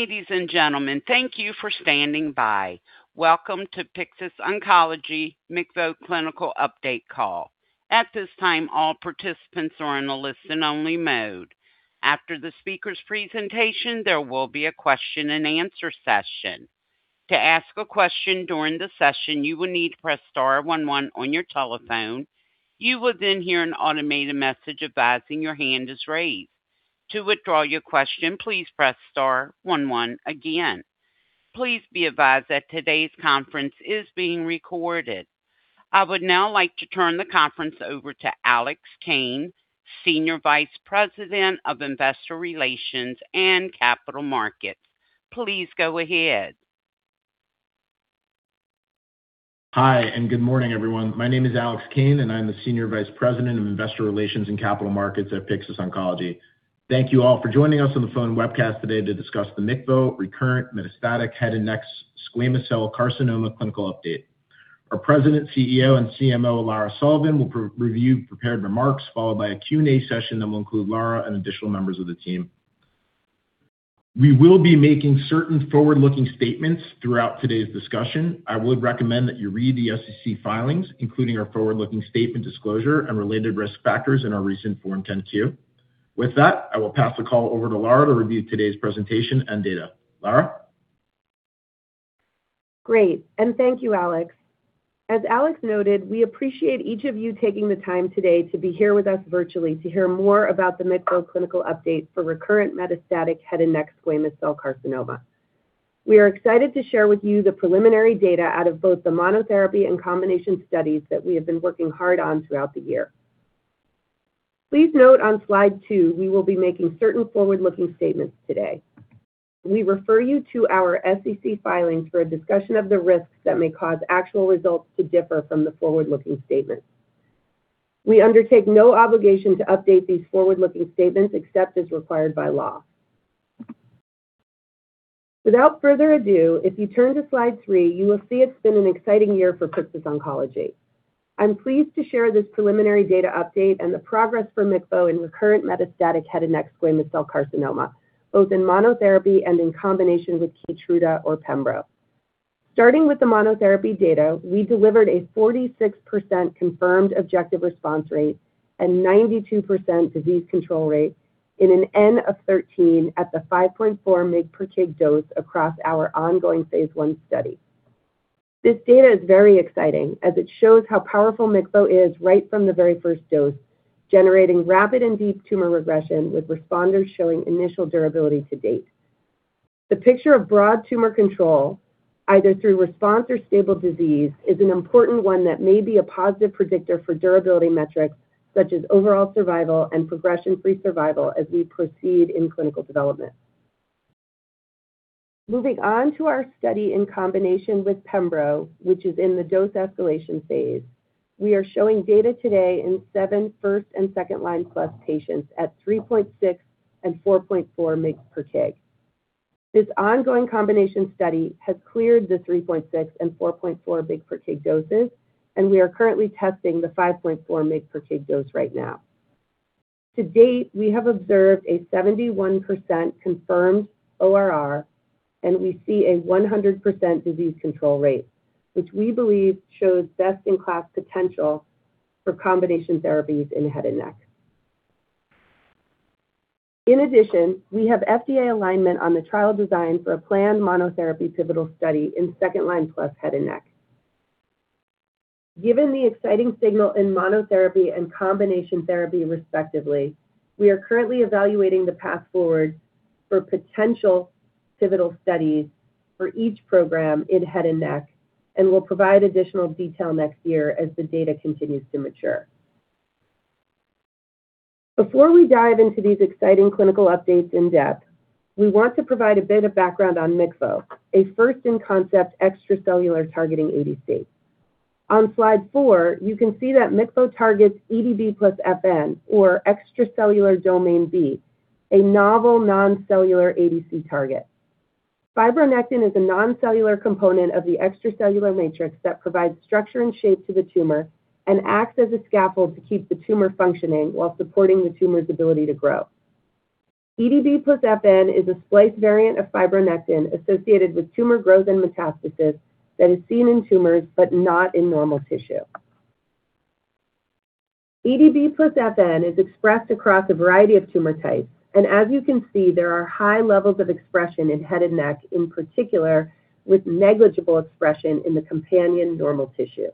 Ladies and gentlemen, thank you for standing by. Welcome to Pyxis Oncology MCVO Clinical Update Call. At this time, all participants are in a listen-only mode. After the speaker's presentation, there will be a question-and-answer session. To ask a question during the session, you will need to press star one one on your telephone. You will then hear an automated message advising your hand is raised. To withdraw your question, please press star one one again. Please be advised that today's conference is being recorded. I would now like to turn the conference over to Alex Cain, Senior Vice President of Investor Relations and Capital Markets. Please go ahead. Hi, and good morning, everyone. My name is Alex Cain, and I'm the Senior Vice President of Investor Relations and Capital Markets at Pyxis Oncology. Thank you all for joining us on the phone webcast today to discuss the MCVO Recurrent Metastatic Head and Neck Squamous Cell Carcinoma Clinical Update. Our President, CEO, and CMO, Lara Sullivan, will review prepared remarks, followed by a Q&A session that will include Lara and additional members of the team. We will be making certain forward-looking statements throughout today's discussion. I would recommend that you read the SEC filings, including our forward-looking statement disclosure and related risk factors in our recent Form 10-Q. With that, I will pass the call over to Lara to review today's presentation and data. Lara? Great, and thank you, Alex. As Alex noted, we appreciate each of you taking the time today to be here with us virtually to hear more about the MCVO Clinical Update for Recurrent Metastatic Head and Neck Squamous Cell Carcinoma. We are excited to share with you the preliminary data out of both the monotherapy and combination studies that we have been working hard on throughout the year. Please note on slide two, we will be making certain forward-looking statements today. We refer you to our SEC filings for a discussion of the risks that may cause actual results to differ from the forward-looking statements. We undertake no obligation to update these forward-looking statements except as required by law. Without further ado, if you turn to slide three, you will see it's been an exciting year for Pyxis Oncology. I'm pleased to share this preliminary data update and the progress for MCVO and recurrent metastatic head and neck squamous cell carcinoma, both in monotherapy and in combination with Keytruda or Pembro. Starting with the monotherapy data, we delivered a 46% confirmed objective response rate and 92% disease control rate in an N of 13 at the 5.4 mg/kg dose across our ongoing Phase 1 study. This data is very exciting as it shows how powerful MCVO is right from the very first dose, generating rapid and deep tumor regression with responders showing initial durability to date. The picture of broad tumor control, either through response or stable disease, is an important one that may be a positive predictor for durability metrics such as overall survival and progression-free survival as we proceed in clinical development. Moving on to our study in combination with Pembro, which is in the dose escalation phase, we are showing data today in seven first and second-line plus patients at 3.6 mg/kg and 4.4 mg/kg. This ongoing combination study has cleared the 3.6 mg/kg and 4.4 mg/kg doses, and we are currently testing the 5.4 mg/kg dose right now. To date, we have observed a 71% confirmed ORR, and we see a 100% disease control rate, which we believe shows best-in-class potential for combination therapies in head and neck. In addition, we have FDA alignment on the trial design for a planned monotherapy pivotal study in second-line plus head and neck. Given the exciting signal in monotherapy and combination therapy respectively, we are currently evaluating the path forward for potential pivotal studies for each program in head and neck and will provide additional detail next year as the data continues to mature. Before we dive into these exciting clinical updates in depth, we want to provide a bit of background on MCVO, a first-in-concept extracellular targeting ADC. On slide four, you can see that MCVO targets EDB plus FN, or extracellular domain B, a novel noncellular ADC target. Fibronectin is a noncellular component of the extracellular matrix that provides structure and shape to the tumor and acts as a scaffold to keep the tumor functioning while supporting the tumor's ability to grow. EDB plus FN is a splice variant of fibronectin associated with tumor growth and metastasis that is seen in tumors but not in normal tissue. EDB plus FN is expressed across a variety of tumor types, and as you can see, there are high levels of expression in head and neck, in particular with negligible expression in the companion normal tissue.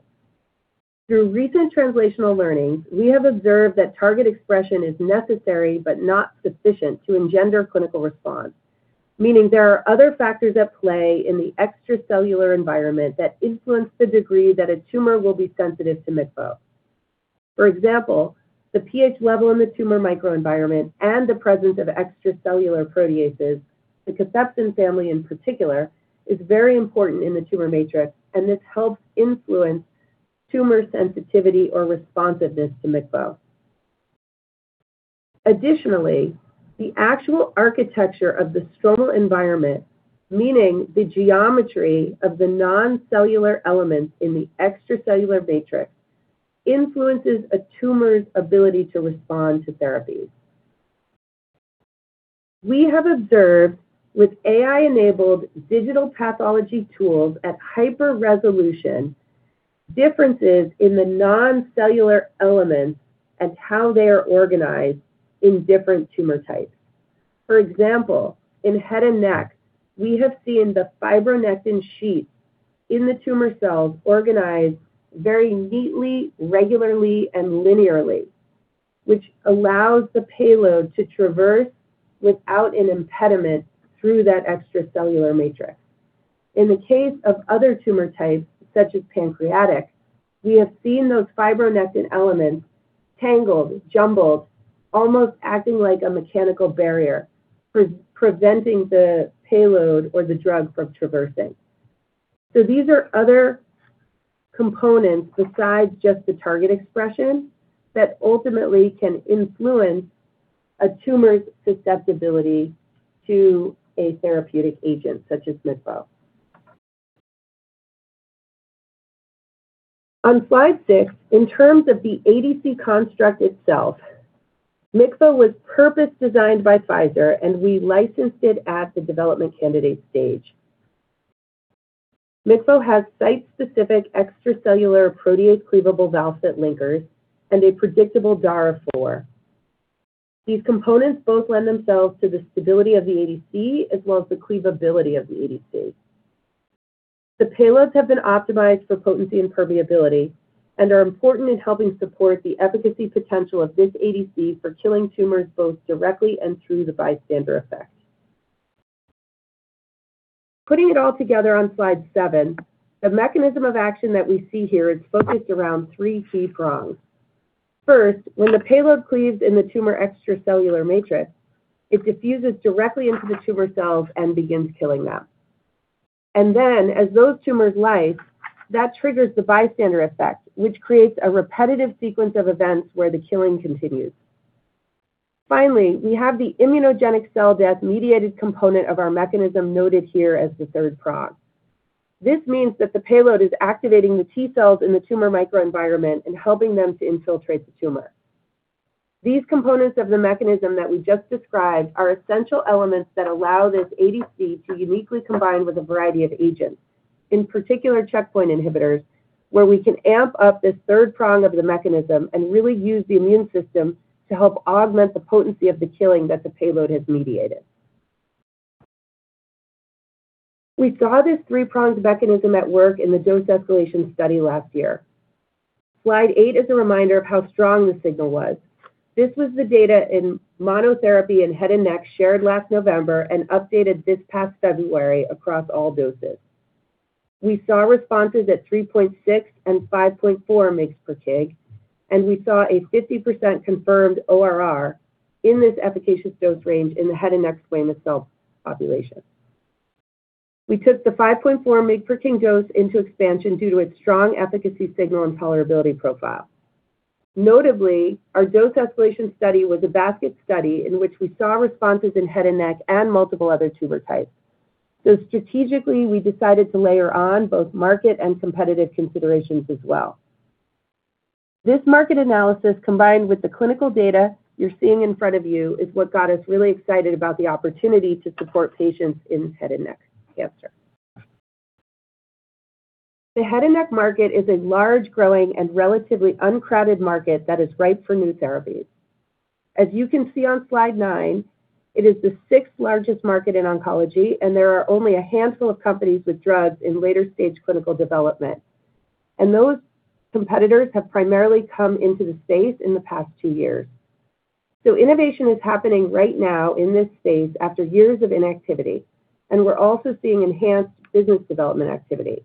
Through recent translational learnings, we have observed that target expression is necessary but not sufficient to engender clinical response, meaning there are other factors at play in the extracellular environment that influence the degree that a tumor will be sensitive to MCVO. For example, the pH level in the tumor microenvironment and the presence of extracellular proteases, the cathepsin family in particular, is very important in the tumor matrix, and this helps influence tumor sensitivity or responsiveness to MCVO. Additionally, the actual architecture of the stromal environment, meaning the geometry of the noncellular elements in the extracellular matrix, influences a tumor's ability to respond to therapies. We have observed with AI-enabled digital pathology tools at hyper-resolution differences in the noncellular elements and how they are organized in different tumor types. For example, in head and neck, we have seen the fibronectin sheets in the tumor cells organized very neatly, regularly, and linearly, which allows the payload to traverse without an impediment through that extracellular matrix. In the case of other tumor types, such as pancreatic, we have seen those fibronectin elements tangled, jumbled, almost acting like a mechanical barrier preventing the payload or the drug from traversing. So these are other components besides just the target expression that ultimately can influence a tumor's susceptibility to a therapeutic agent such as MCVO. On slide six, in terms of the ADC construct itself, MCVO was purpose-designed by Pfizer, and we licensed it at the development candidate stage. MCVO has site-specific extracellular protease cleavable val-cit linkers and a predictable DAR four. These components both lend themselves to the stability of the ADC as well as the cleavability of the ADC. The payloads have been optimized for potency and permeability and are important in helping support the efficacy potential of this ADC for killing tumors both directly and through the bystander effect. Putting it all together on slide seven, the mechanism of action that we see here is focused around three key prongs. First, when the payload cleaves in the tumor extracellular matrix, it diffuses directly into the tumor cells and begins killing them, and then, as those tumors lyse, that triggers the bystander effect, which creates a repetitive sequence of events where the killing continues. Finally, we have the immunogenic cell death-mediated component of our mechanism noted here as the third prong. This means that the payload is activating the T cells in the tumor microenvironment and helping them to infiltrate the tumor. These components of the mechanism that we just described are essential elements that allow this ADC to uniquely combine with a variety of agents, in particular checkpoint inhibitors, where we can amp up this third prong of the mechanism and really use the immune system to help augment the potency of the killing that the payload has mediated. We saw this three-pronged mechanism at work in the dose escalation study last year. Slide eight is a reminder of how strong the signal was. This was the data in monotherapy and head and neck shared last November and updated this past February across all doses. We saw responses at 3.6 mg/kg and 5.4 mg/kg, and we saw a 50% confirmed ORR in this efficacious dose range in the head and neck squamous cell population. We took the 5.4 mg/kg dose into expansion due to its strong efficacy signal and tolerability profile. Notably, our dose escalation study was a basket study in which we saw responses in head and neck and multiple other tumor types. So strategically, we decided to layer on both market and competitive considerations as well. This market analysis, combined with the clinical data you're seeing in front of you, is what got us really excited about the opportunity to support patients in head and neck cancer. The head and neck market is a large, growing, and relatively uncrowded market that is ripe for new therapies. As you can see on slide nine, it is the sixth largest market in oncology, and there are only a handful of companies with drugs in later-stage clinical development, and those competitors have primarily come into the space in the past two years. Innovation is happening right now in this space after years of inactivity, and we're also seeing enhanced business development activity.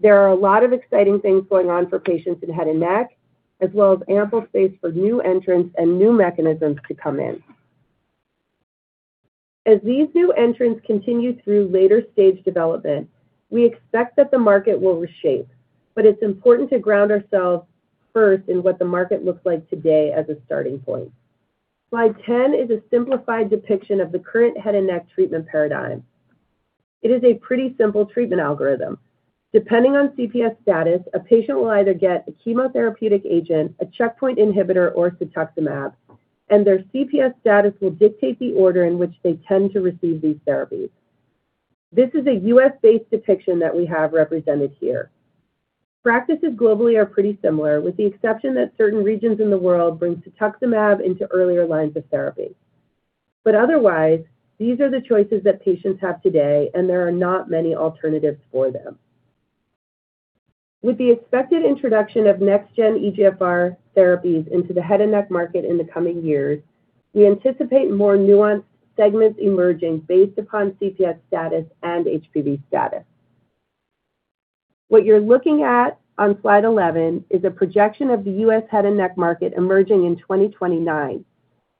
There are a lot of exciting things going on for patients in head and neck, as well as ample space for new entrants and new mechanisms to come in. As these new entrants continue through later-stage development, we expect that the market will reshape, but it's important to ground ourselves first in what the market looks like today as a starting point. Slide 10 is a simplified depiction of the current head and neck treatment paradigm. It is a pretty simple treatment algorithm. Depending on CPS status, a patient will either get a chemotherapeutic agent, a checkpoint inhibitor, or Cetuximab, and their CPS status will dictate the order in which they tend to receive these therapies. This is a U.S.-based depiction that we have represented here. Practices globally are pretty similar, with the exception that certain regions in the world bring Cetuximab into earlier lines of therapy. But otherwise, these are the choices that patients have today, and there are not many alternatives for them. With the expected introduction of next-gen EGFR therapies into the head and neck market in the coming years, we anticipate more nuanced segments emerging based upon CPS status and HPV status. What you're looking at on slide 11 is a projection of the U.S. head and neck market emerging in 2029,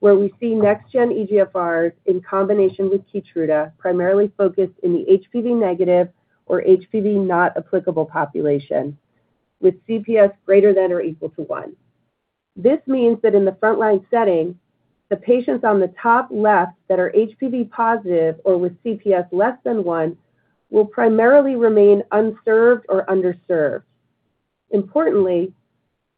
where we see next-gen EGFRs in combination with Keytruda, primarily focused in the HPV-negative or HPV-not-applicable population with CPS greater than or equal to one. This means that in the frontline setting, the patients on the top left that are HPV positive or with CPS less than one will primarily remain unserved or underserved. Importantly,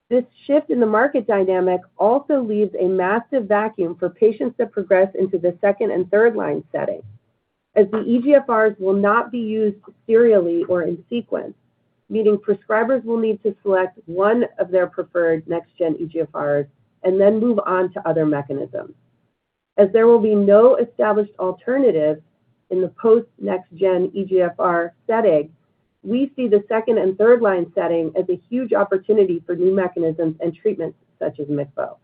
this shift in the market dynamic also leaves a massive vacuum for patients to progress into the second and third-line setting, as the EGFRs will not be used serially or in sequence, meaning prescribers will need to select one of their preferred next-gen EGFRs and then move on to other mechanisms. As there will be no established alternatives in the post-next-gen EGFR setting, we see the second and third-line setting as a huge opportunity for new mechanisms and treatments such as MCVO,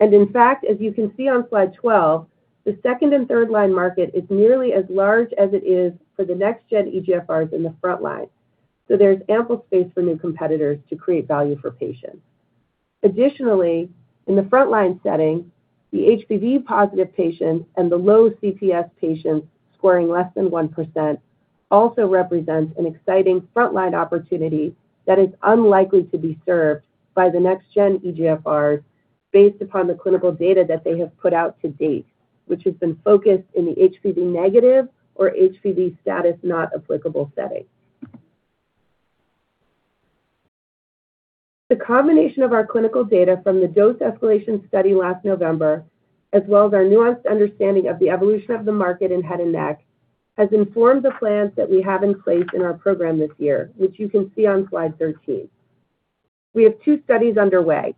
and in fact, as you can see on slide 12, the second and third-line market is nearly as large as it is for the next-gen EGFRs in the frontline, so there's ample space for new competitors to create value for patients. Additionally, in the frontline setting, the HPV-positive patients and the low CPS patients scoring less than 1% also represent an exciting frontline opportunity that is unlikely to be served by the next-gen EGFRs based upon the clinical data that they have put out to date, which has been focused in the HPV-negative or HPV-status-not-applicable setting. The combination of our clinical data from the dose escalation study last November, as well as our nuanced understanding of the evolution of the market in head and neck, has informed the plans that we have in place in our program this year, which you can see on slide 13. We have two studies underway: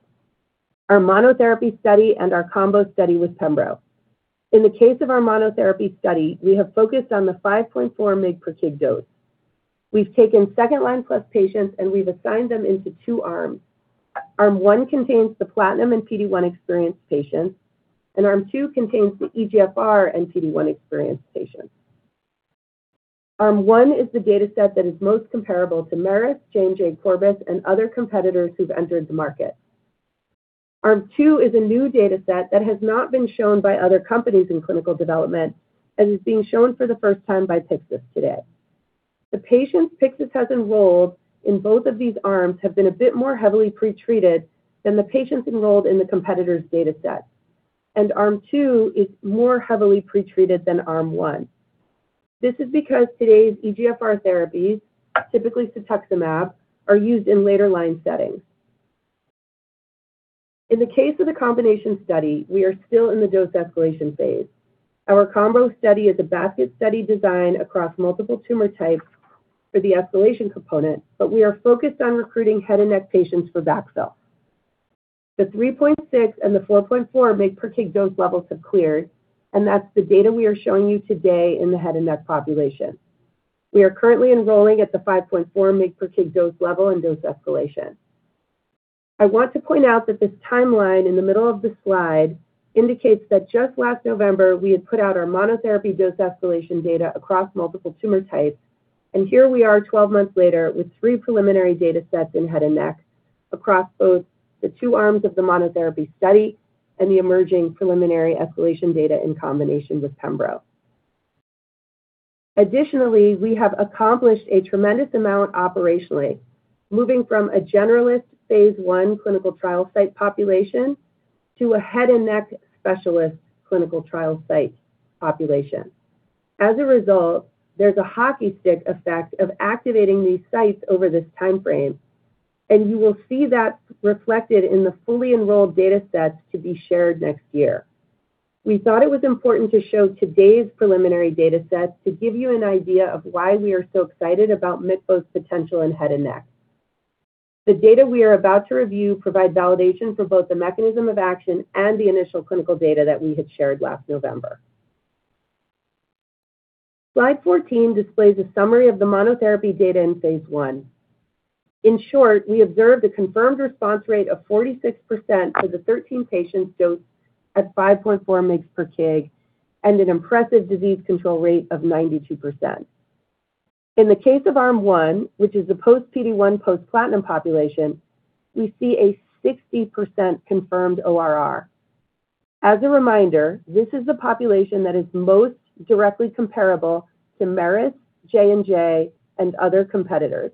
our monotherapy study and our combo study with Pembro. In the case of our monotherapy study, we have focused on the 5.4 mg/kg dose. We've taken second-line plus patients, and we've assigned them into two arms. Arm one contains the platinum and PD-1 experienced patients, and arm two contains the EGFR and PD-1 experienced patients. Arm one is the data set that is most comparable to Merus, J&J, Corbus, and other competitors who've entered the market. Arm two is a new data set that has not been shown by other companies in clinical development, as it's being shown for the first time by Pyxis today. The patients Pyxis has enrolled in both of these arms have been a bit more heavily pretreated than the patients enrolled in the competitor's data set, and arm two is more heavily pretreated than arm one. This is because today's EGFR therapies, typically cetuximab, are used in later-line settings. In the case of the combination study, we are still in the dose escalation phase. Our combo study is a basket study design across multiple tumor types for the escalation component, but we are focused on recruiting head and neck patients for backfill. The 3.6 and the 4.4 mg/kg dose levels have cleared, and that's the data we are showing you today in the head and neck population. We are currently enrolling at the 5.4 mg/kg dose level in dose escalation. I want to point out that this timeline in the middle of the slide indicates that just last November, we had put out our monotherapy dose escalation data across multiple tumor types, and here we are 12 months later with three preliminary data sets in head and neck across both the two arms of the monotherapy study and the emerging preliminary escalation data in combination with Pembro. Additionally, we have accomplished a tremendous amount operationally, moving from a generalist Phase 1 clinical trial site population to a head and neck specialist clinical trial site population. As a result, there's a hockey stick effect of activating these sites over this timeframe, and you will see that reflected in the fully enrolled data sets to be shared next year. We thought it was important to show today's preliminary data set to give you an idea of why we are so excited about MCVO's potential in head and neck. The data we are about to review provide validation for both the mechanism of action and the initial clinical data that we had shared last November. Slide 14 displays a summary of the monotherapy data in Phase 1. In short, we observed a confirmed response rate of 46% for the 13 patients dosed at 5.4 mg/kg and an impressive disease control rate of 92%. In the case of arm one, which is the post-PD-1 post-platinum population, we see a 60% confirmed ORR. As a reminder, this is the population that is most directly comparable to Merus, J&J, and other competitors,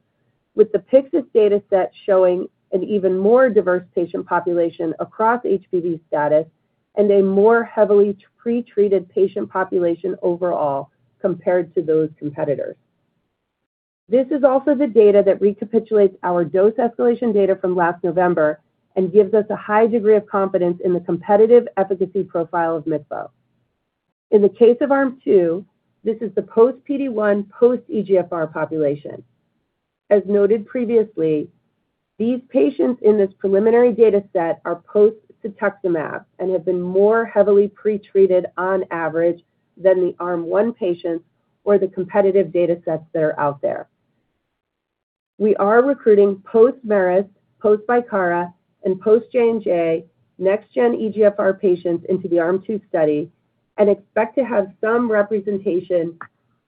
with the Pyxis data set showing an even more diverse patient population across HPV status and a more heavily pretreated patient population overall compared to those competitors. This is also the data that recapitulates our dose escalation data from last November and gives us a high degree of confidence in the competitive efficacy profile of MCVO. In the case of arm two, this is the post-PD-1 post-EGFR population. As noted previously, these patients in this preliminary data set are post-cetuximab and have been more heavily pretreated on average than the arm one patients or the competitive data sets that are out there. We are recruiting Post-Merus, Post-Bicara, and post-J&J next-gen EGFR patients into the arm two study and expect to have some representation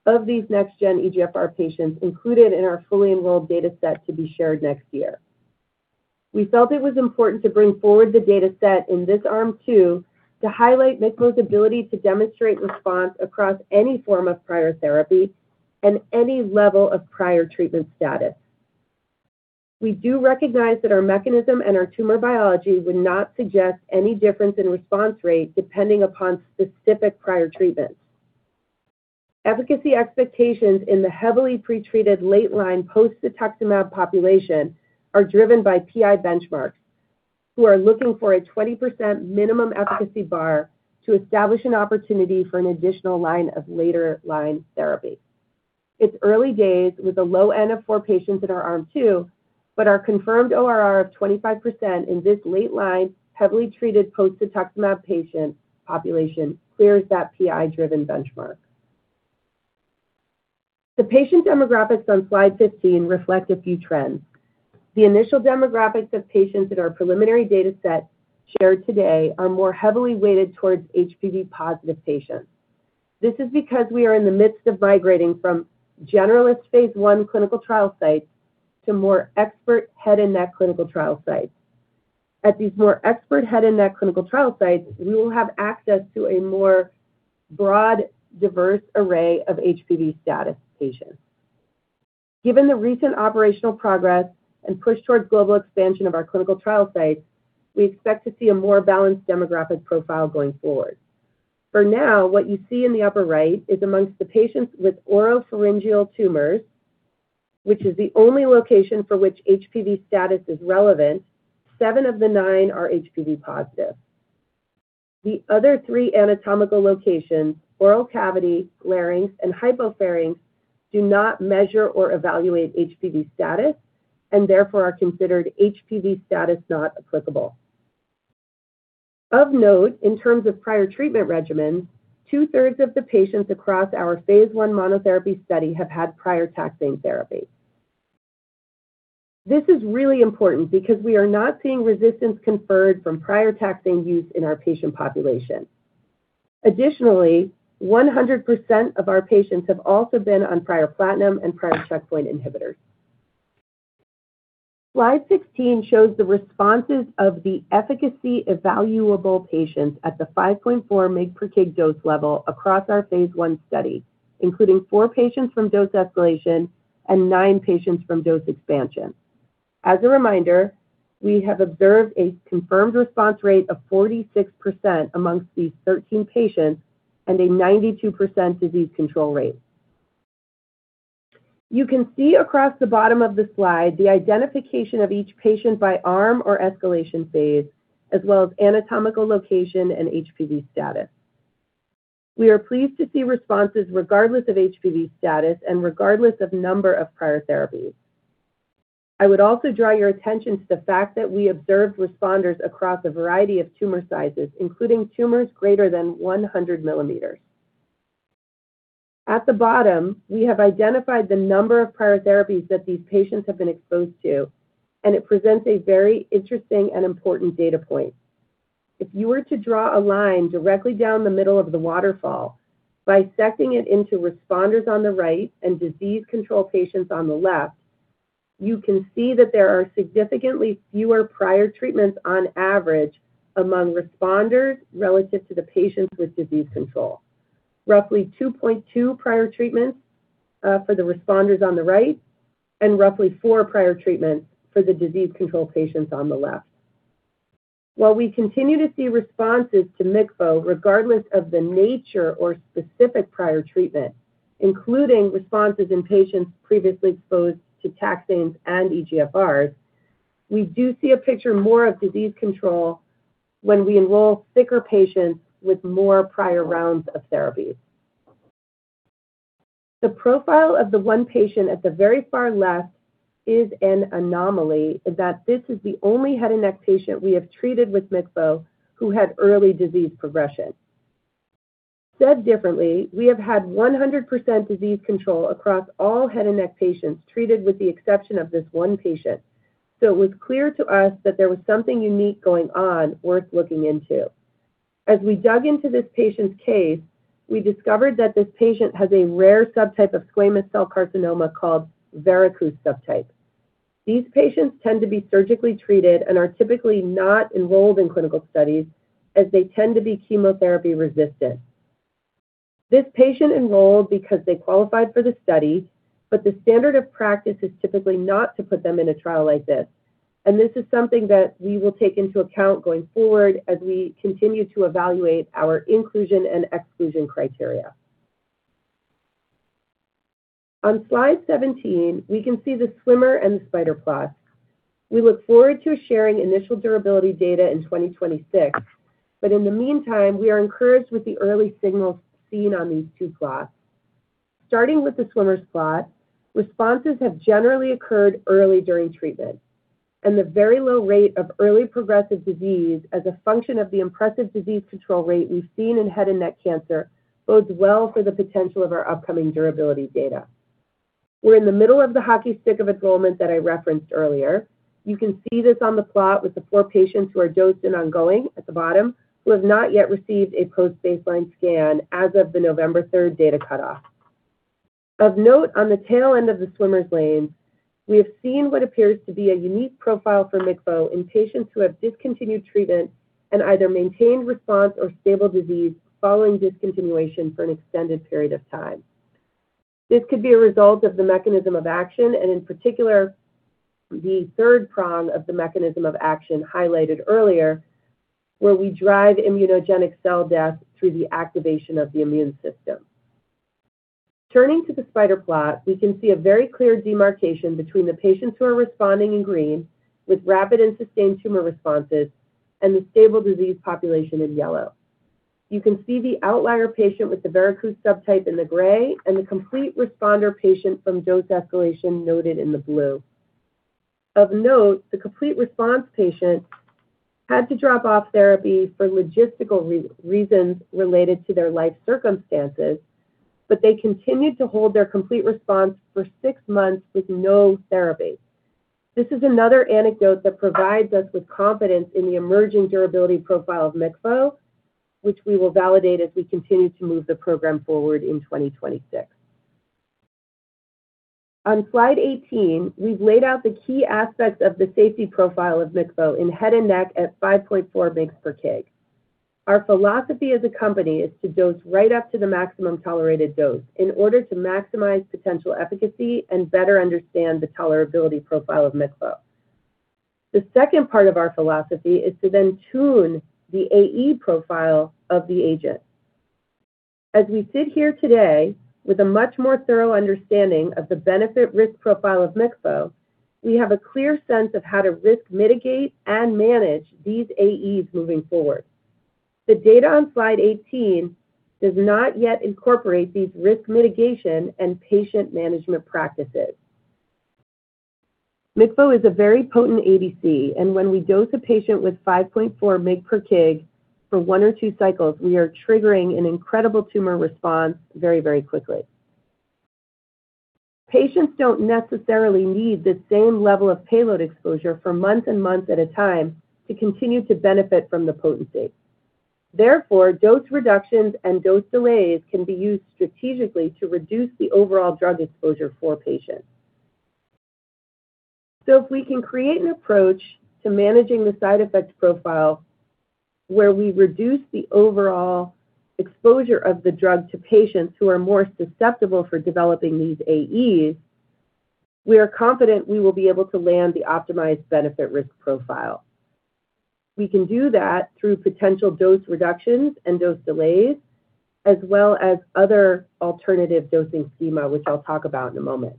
of these next-gen EGFR patients included in our fully enrolled data set to be shared next year. We felt it was important to bring forward the data set in this arm two to highlight MCVO's ability to demonstrate response across any form of prior therapy and any level of prior treatment status. We do recognize that our mechanism and our tumor biology would not suggest any difference in response rate depending upon specific prior treatments. Efficacy expectations in the heavily pretreated late-line post-cetuximab population are driven by PI benchmarks, who are looking for a 20% minimum efficacy bar to establish an opportunity for an additional line of later-line therapy. It's early days with a low end of four patients in our arm two, but our confirmed ORR of 25% in this late-line heavily treated post-cetuximab patient population clears that PI-driven benchmark. The patient demographics on slide 15 reflect a few trends. The initial demographics of patients in our preliminary data set shared today are more heavily weighted towards HPV-positive patients. This is because we are in the midst of migrating from generalist Phase 1 clinical trial sites to more expert head and neck clinical trial sites. At these more expert head and neck clinical trial sites, we will have access to a more broad, diverse array of HPV status patients. Given the recent operational progress and push towards global expansion of our clinical trial sites, we expect to see a more balanced demographic profile going forward. For now, what you see in the upper right is amongst the patients with oropharyngeal tumors, which is the only location for which HPV status is relevant. Seven of the nine are HPV positive. The other three anatomical locations, oral cavity, larynx, and hypopharynx, do not measure or evaluate HPV status and therefore are considered HPV status-not-applicable. Of note, in terms of prior treatment regimens, two-thirds of the patients across our Phase 1 monotherapy study have had prior taxane therapy. This is really important because we are not seeing resistance conferred from prior taxane use in our patient population. Additionally, 100% of our patients have also been on prior platinum and prior checkpoint inhibitors. Slide 16 shows the responses of the efficacy evaluable patients at the 5.4 mg/kg dose level across our Phase 1 study, including four patients from dose escalation and nine patients from dose expansion. As a reminder, we have observed a confirmed response rate of 46% among these 13 patients and a 92% disease control rate. You can see across the bottom of the slide the identification of each patient by arm or escalation phase, as well as anatomical location and HPV status. We are pleased to see responses regardless of HPV status and regardless of number of prior therapies. I would also draw your attention to the fact that we observed responders across a variety of tumor sizes, including tumors greater than 100 mm. At the bottom, we have identified the number of prior therapies that these patients have been exposed to, and it presents a very interesting and important data point. If you were to draw a line directly down the middle of the waterfall, bisecting it into responders on the right and disease control patients on the left, you can see that there are significantly fewer prior treatments on average among responders relative to the patients with disease control, roughly 2.2 prior treatments for the responders on the right and roughly four prior treatments for the disease control patients on the left. While we continue to see responses to MCVO regardless of the nature or specific prior treatment, including responses in patients previously exposed to taxanes and EGFRs, we do see a picture more of disease control when we enroll sicker patients with more prior rounds of therapies. The profile of the one patient at the very far left is an anomaly in that this is the only head and neck patient we have treated with MCVO who had early disease progression. Said differently, we have had 100% disease control across all head and neck patients treated with the exception of this one patient, so it was clear to us that there was something unique going on worth looking into. As we dug into this patient's case, we discovered that this patient has a rare subtype of squamous cell carcinoma called verrucous subtype. These patients tend to be surgically treated and are typically not enrolled in clinical studies, as they tend to be chemotherapy resistant. This patient enrolled because they qualified for the study, but the standard of practice is typically not to put them in a trial like this, and this is something that we will take into account going forward as we continue to evaluate our inclusion and exclusion criteria. On slide 17, we can see the swimmer and the spider plots. We look forward to sharing initial durability data in 2026, but in the meantime, we are encouraged with the early signals seen on these two plots. Starting with the swimmer's plot, responses have generally occurred early during treatment, and the very low rate of early progressive disease as a function of the impressive disease control rate we've seen in head and neck cancer bodes well for the potential of our upcoming durability data. We're in the middle of the hockey stick of enrollment that I referenced earlier. You can see this on the plot with the four patients who are dosed and ongoing at the bottom who have not yet received a post-baseline scan as of the November 3rd data cutoff. Of note, on the tail end of the swimmer's lane, we have seen what appears to be a unique profile for MCVO in patients who have discontinued treatment and either maintained response or stable disease following discontinuation for an extended period of time. This could be a result of the mechanism of action and, in particular, the third prong of the mechanism of action highlighted earlier, where we drive immunogenic cell death through the activation of the immune system. Turning to the spider plot, we can see a very clear demarcation between the patients who are responding in green with rapid and sustained tumor responses and the stable disease population in yellow. You can see the outlier patient with the verrucous subtype in the gray and the complete responder patient from dose escalation noted in the blue. Of note, the complete response patient had to drop off therapy for logistical reasons related to their life circumstances, but they continued to hold their complete response for six months with no therapy. This is another anecdote that provides us with confidence in the emerging durability profile of MCVO, which we will validate as we continue to move the program forward in 2026. On slide 18, we've laid out the key aspects of the safety profile of MCVO in head and neck at 5.4 mg/kg. Our philosophy as a company is to dose right up to the maximum tolerated dose in order to maximize potential efficacy and better understand the tolerability profile of MCVO. The second part of our philosophy is to then tune the AE profile of the agent. As we sit here today with a much more thorough understanding of the benefit-risk profile of MCVO, we have a clear sense of how to risk mitigate and manage these AEs moving forward. The data on slide 18 does not yet incorporate these risk mitigation and patient management practices. MCVO is a very potent ADC, and when we dose a patient with 5.4 mg/kg for one or two cycles, we are triggering an incredible tumor response very, very quickly. Patients don't necessarily need the same level of payload exposure for months and months at a time to continue to benefit from the potency. Therefore, dose reductions and dose delays can be used strategically to reduce the overall drug exposure for patients. So if we can create an approach to managing the side effect profile where we reduce the overall exposure of the drug to patients who are more susceptible for developing these AEs, we are confident we will be able to land the optimized benefit-risk profile. We can do that through potential dose reductions and dose delays, as well as other alternative dosing schema, which I'll talk about in a moment.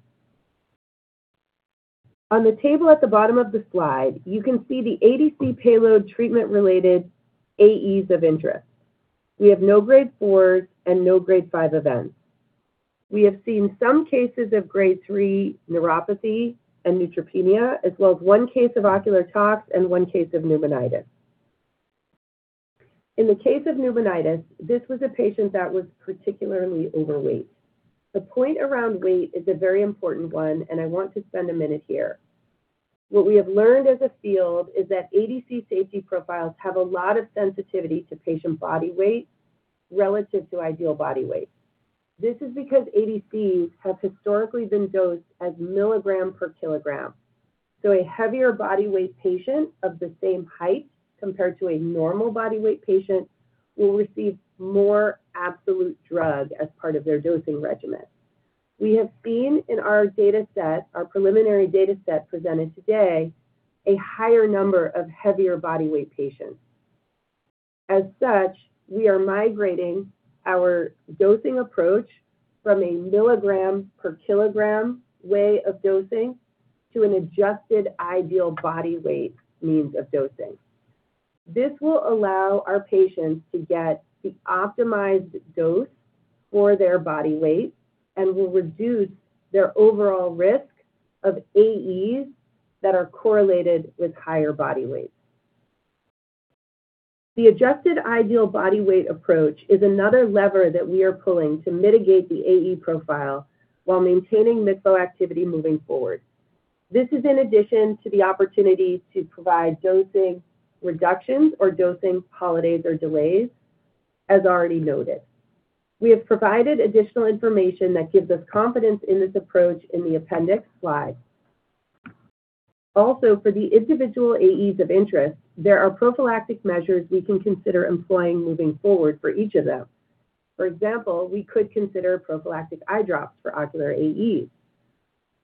On the table at the bottom of the slide, you can see the ADC payload treatment-related AEs of interest. We have no Grade 4s and no Grade 5 events. We have seen some cases of Grade 3 neuropathy and neutropenia, as well as one case of ocular tox and one case of pneumonitis. In the case of pneumonitis, this was a patient that was particularly overweight. The point around weight is a very important one, and I want to spend a minute here. What we have learned as a field is that ADC safety profiles have a lot of sensitivity to patient body weight relative to ideal body weight. This is because ADCs have historically been dosed as milligrams per kilogram. So a heavier body weight patient of the same height compared to a normal body weight patient will receive more absolute drug as part of their dosing regimen. We have seen in our data set, our preliminary data set presented today, a higher number of heavier body weight patients. As such, we are migrating our dosing approach from a milligram per kilogram way of dosing to an Adjusted Ideal Body Weight means of dosing. This will allow our patients to get the optimized dose for their body weight and will reduce their overall risk of AEs that are correlated with higher body weight. The Adjusted Ideal Body Weight approach is another lever that we are pulling to mitigate the AE profile while maintaining MCVO activity moving forward. This is in addition to the opportunity to provide dosing reductions or dosing holidays or delays, as already noted. We have provided additional information that gives us confidence in this approach in the appendix slide. Also, for the individual AEs of interest, there are prophylactic measures we can consider employing moving forward for each of them. For example, we could consider prophylactic eye drops for ocular AEs.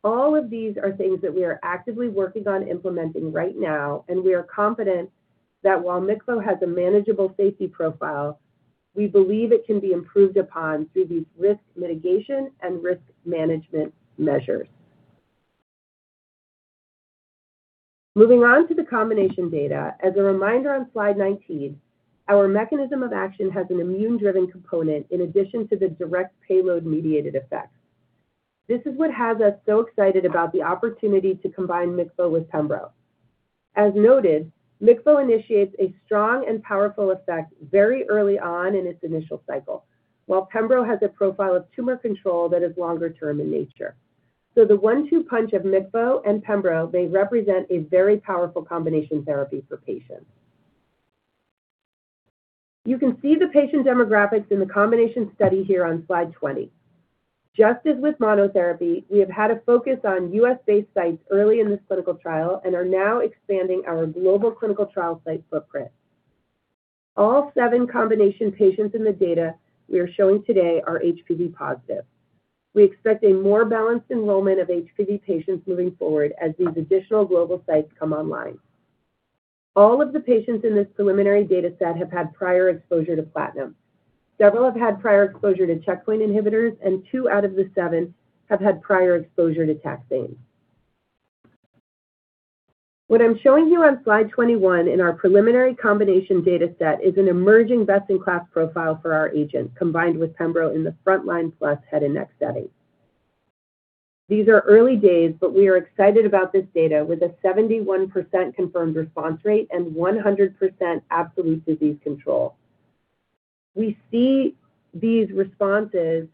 All of these are things that we are actively working on implementing right now, and we are confident that while MCVO has a manageable safety profile, we believe it can be improved upon through these risk mitigation and risk management measures. Moving on to the combination data, as a reminder on slide 19, our mechanism of action has an immune-driven component in addition to the direct payload-mediated effects. This is what has us so excited about the opportunity to combine MCVO with Pembro. As noted, MCVO initiates a strong and powerful effect very early on in its initial cycle, while Pembro has a profile of tumor control that is longer-term in nature. So the one-two punch of MCVO and Pembro may represent a very powerful combination therapy for patients. You can see the patient demographics in the combination study here on slide 20. Just as with monotherapy, we have had a focus on U.S.-based sites early in this clinical trial and are now expanding our global clinical trial site footprint. All seven combination patients in the data we are showing today are HPV positive. We expect a more balanced enrollment of HPV patients moving forward as these additional global sites come online. All of the patients in this preliminary data set have had prior exposure to platinum. Several have had prior exposure to checkpoint inhibitors, and two out of the seven have had prior exposure to taxanes. What I'm showing you on slide 21 in our preliminary combination data set is an emerging best-in-class profile for our agent combined with Pembro in the front-line plus head and neck setting. These are early days, but we are excited about this data with a 71% confirmed response rate and 100% absolute disease control. We see these responses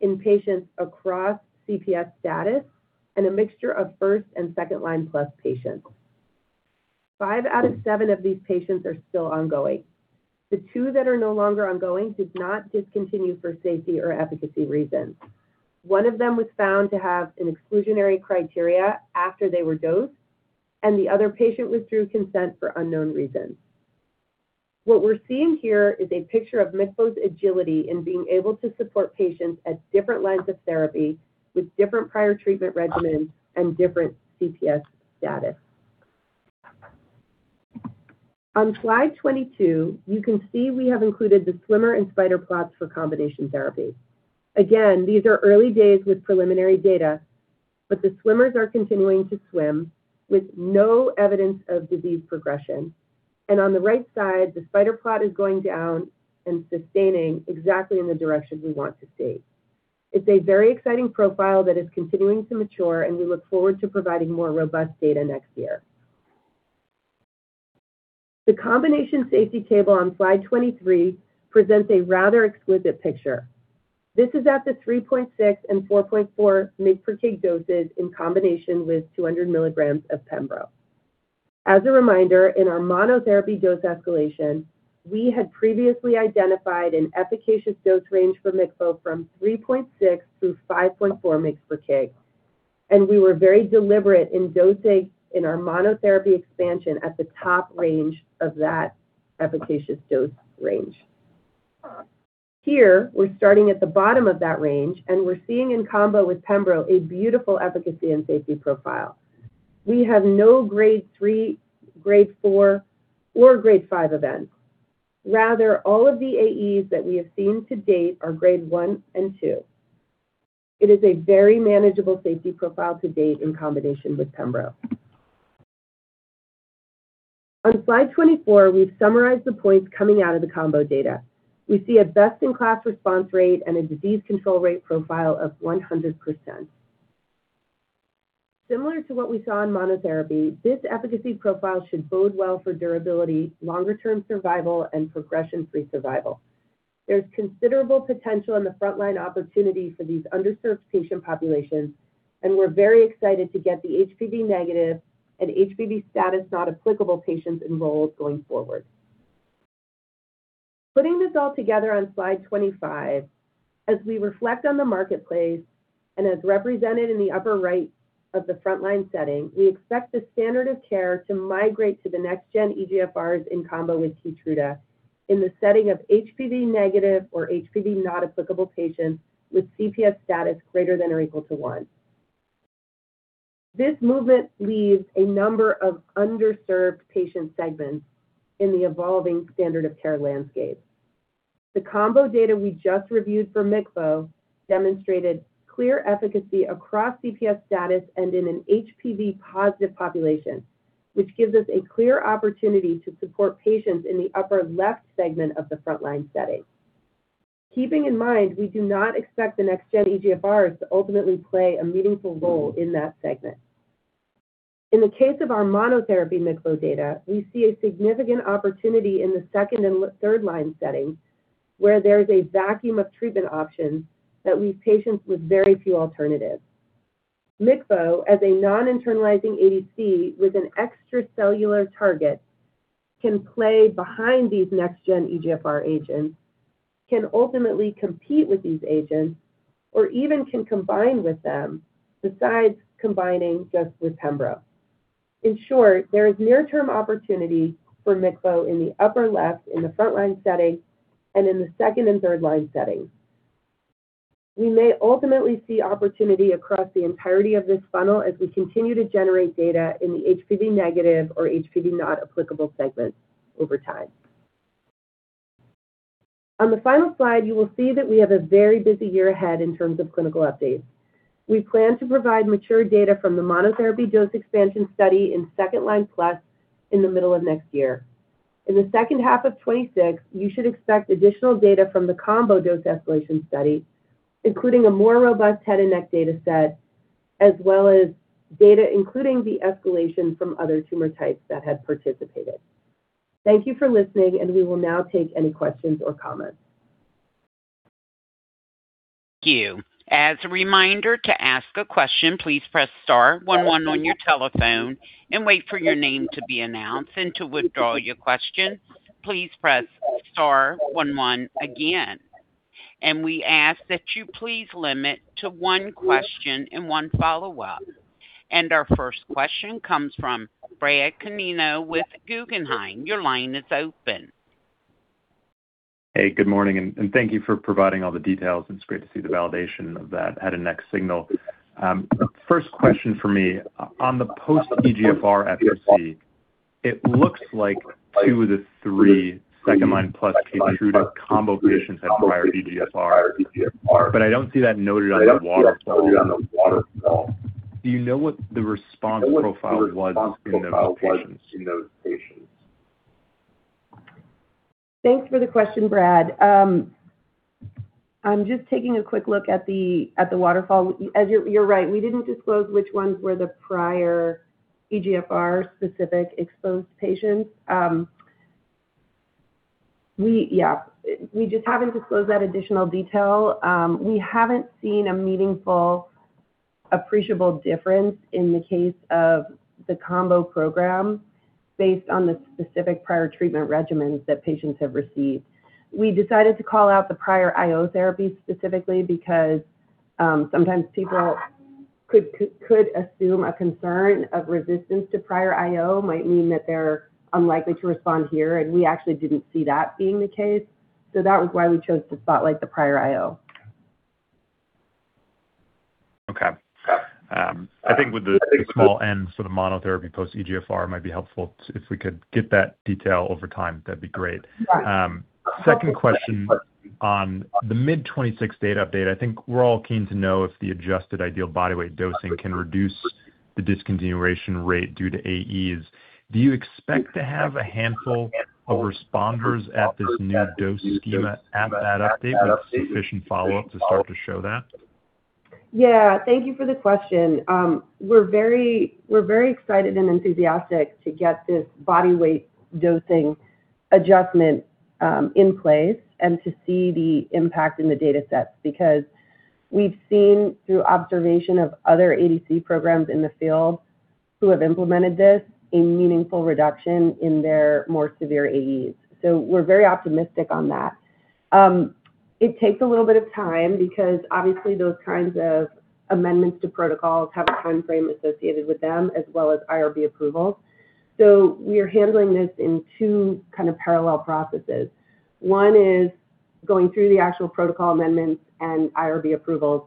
in patients across CPS status and a mixture of first and second-line plus patients. Five out of seven of these patients are still ongoing. The two that are no longer ongoing did not discontinue for safety or efficacy reasons. One of them was found to have an exclusionary criteria after they were dosed, and the other patient withdrew consent for unknown reasons. What we're seeing here is a picture of MCVO's agility in being able to support patients at different lines of therapy with different prior treatment regimens and different CPS status. On slide 22, you can see we have included the swimmer and spider plots for combination therapy. Again, these are early days with preliminary data, but the swimmers are continuing to swim with no evidence of disease progression. On the right side, the spider plot is going down and sustaining exactly in the direction we want to see. It's a very exciting profile that is continuing to mature, and we look forward to providing more robust data next year. The combination safety table on slide 23 presents a rather exquisite picture. This is at the 3.6 and 4.4 mg/kg doses in combination with 200 milligrams of Pembro. As a reminder, in our monotherapy dose escalation, we had previously identified an efficacious dose range for MCVO from 3.6 through 5.4 mg/kg, and we were very deliberate in dosing in our monotherapy expansion at the top range of that efficacious dose range. Here, we're starting at the bottom of that range, and we're seeing in combo with Pembro a beautiful efficacy and safety profile. We have no Grade 3, Grade 4, or Grade 5 events. Rather, all of the AEs that we have seen to date are grade one and two. It is a very manageable safety profile to date in combination with Pembro. On slide 24, we've summarized the points coming out of the combo data. We see a best-in-class response rate and a disease control rate profile of 100%. Similar to what we saw in monotherapy, this efficacy profile should bode well for durability, longer-term survival, and progression-free survival. There's considerable potential in the front-line opportunity for these underserved patient populations, and we're very excited to get the HPV negative and HPV status not applicable patients enrolled going forward. Putting this all together on slide 25, as we reflect on the marketplace and as represented in the upper right of the front-line setting, we expect the standard of care to migrate to the next-gen EGFRs in combo with Keytruda in the setting of HPV negative or HPV not applicable patients with CPS status greater than or equal to 1. This movement leaves a number of underserved patient segments in the evolving standard of care landscape. The combo data we just reviewed for MCVO demonstrated clear efficacy across CPS status and in an HPV positive population, which gives us a clear opportunity to support patients in the upper left segment of the front-line setting. Keeping in mind, we do not expect the next-gen EGFRs to ultimately play a meaningful role in that segment. In the case of our monotherapy MCVO data, we see a significant opportunity in the second and third-line settings where there is a vacuum of treatment options that leave patients with very few alternatives. MCVO, as a non-internalizing ADC with an extracellular target, can play behind these next-gen EGFR agents, can ultimately compete with these agents, or even can combine with them besides combining just with Pembro. In short, there is near-term opportunity for MCVO in the upper left in the front-line setting and in the second and third-line settings. We may ultimately see opportunity across the entirety of this funnel as we continue to generate data in the HPV negative or HPV not applicable segments over time. On the final slide, you will see that we have a very busy year ahead in terms of clinical updates. We plan to provide mature data from the monotherapy dose expansion study in second-line plus in the middle of next year. In the second half of 2026, you should expect additional data from the combo dose escalation study, including a more robust head and neck data set, as well as data including the escalation from other tumor types that had participated. Thank you for listening, and we will now take any questions or comments. Thank you. As a reminder to ask a question, please press star one one on your telephone and wait for your name to be announced. And to withdraw your question, please press star one one again. And we ask that you please limit to one question and one follow-up. And our first question comes from Bradley Canino with Guggenheim. Your line is open. Hey, good morning, and thank you for providing all the details. It's great to see the validation of that head and neck signal. First question for me, on the post-EGFR efficacy, it looks like two of the three second-line plus Keytruda combo patients had prior EGFR, but I don't see that noted on the waterfall. Do you know what the response profile was in those patients? Thanks for the question, Bradley. I'm just taking a quick look at the waterfall. As you're right, we didn't disclose which ones were the prior EGFR-specific exposed patients. Yeah, we just haven't disclosed that additional detail. We haven't seen a meaningful appreciable difference in the case of the combo program based on the specific prior treatment regimens that patients have received. We decided to call out the prior IO therapy specifically because sometimes people could assume a concern of resistance to prior IO might mean that they're unlikely to respond here, and we actually didn't see that being the case. So that was why we chose to spotlight the prior IO. Okay. I think with the small n for the monotherapy post-EGFR might be helpful. If we could get that detail over time, that'd be great. Second question on the mid-2026 data update, I think we're all keen to know if the Adjusted Ideal Body Weight dosing can reduce the discontinuation rate due to AEs. Do you expect to have a handful of responders at this new dose scheme at that update with sufficient follow-up to start to show that? Yeah. Thank you for the question. We're very excited and enthusiastic to get this body weight dosing adjustment in place and to see the impact in the data sets because we've seen through observation of other ADC programs in the field who have implemented this a meaningful reduction in their more severe AEs, so we're very optimistic on that. It takes a little bit of time because obviously those kinds of amendments to protocols have a timeframe associated with them as well as IRB approvals, so we are handling this in two kind of parallel processes. One is going through the actual protocol amendments and IRB approvals,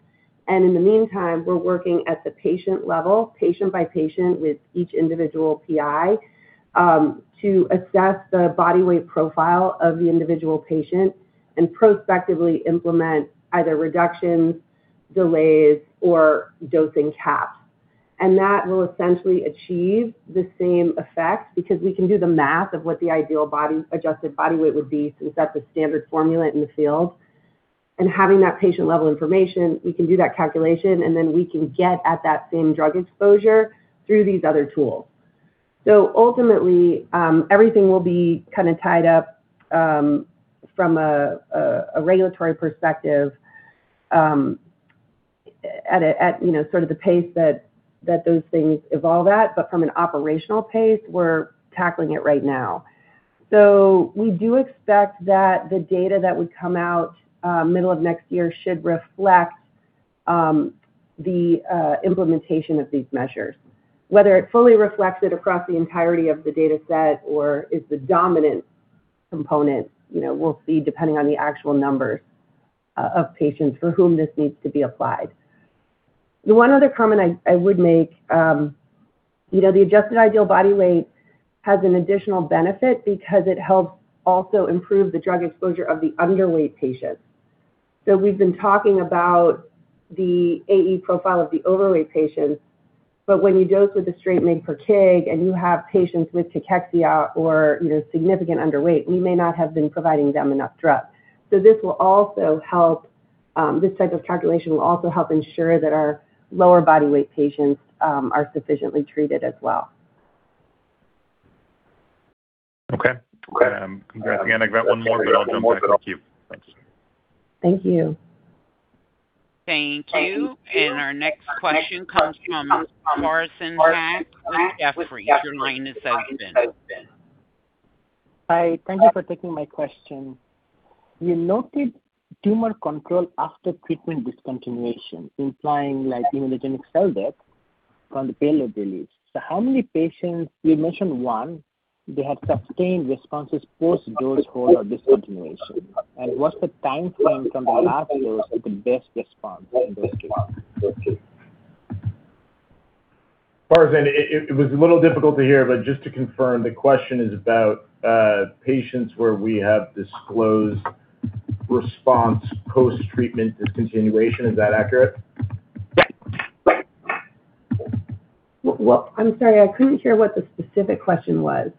and in the meantime, we're working at the patient level, patient by patient with each individual PI to assess the body weight profile of the individual patient and prospectively implement either reductions, delays, or dosing caps. And that will essentially achieve the same effect because we can do the math of what the ideal adjusted body weight would be since that's a standard formula in the field. And having that patient-level information, we can do that calculation, and then we can get at that same drug exposure through these other tools. So ultimately, everything will be kind of tied up from a regulatory perspective at sort of the pace that those things evolve at, but from an operational pace, we're tackling it right now. So we do expect that the data that would come out middle of next year should reflect the implementation of these measures, whether it fully reflects it across the entirety of the data set or is the dominant component. We'll see depending on the actual numbers of patients for whom this needs to be applied. The one other comment I would make, the Adjusted Ideal Body Weight has an additional benefit because it helps also improve the drug exposure of the underweight patients. So we've been talking about the AE profile of the overweight patients, but when you dose with the straight mg/kg and you have patients with cachexia or significant underweight, we may not have been providing them enough drug. So this will also help. This type of calculation will also help ensure that our lower body weight patients are sufficiently treated as well. Okay. Again, I've got one more, but I'll jump ahead. Thank you. Thank you. Thank you. And our next question comes from Parsons Hack with Jefferies. Your line is open. Hi. Thank you for taking my question. You noted tumor control after treatment discontinuation, implying like immunogenic cell death upon payload release. So how many patients? You mentioned one, they had sustained responses post-dose hold or discontinuation. And what's the timeframe from the last dose to the best response in those cases? Parsons, it was a little difficult to hear, but just to confirm, the question is about patients where we have disclosed response post-treatment discontinuation. Is that accurate? Well, I'm sorry, I couldn't hear what the specific question was.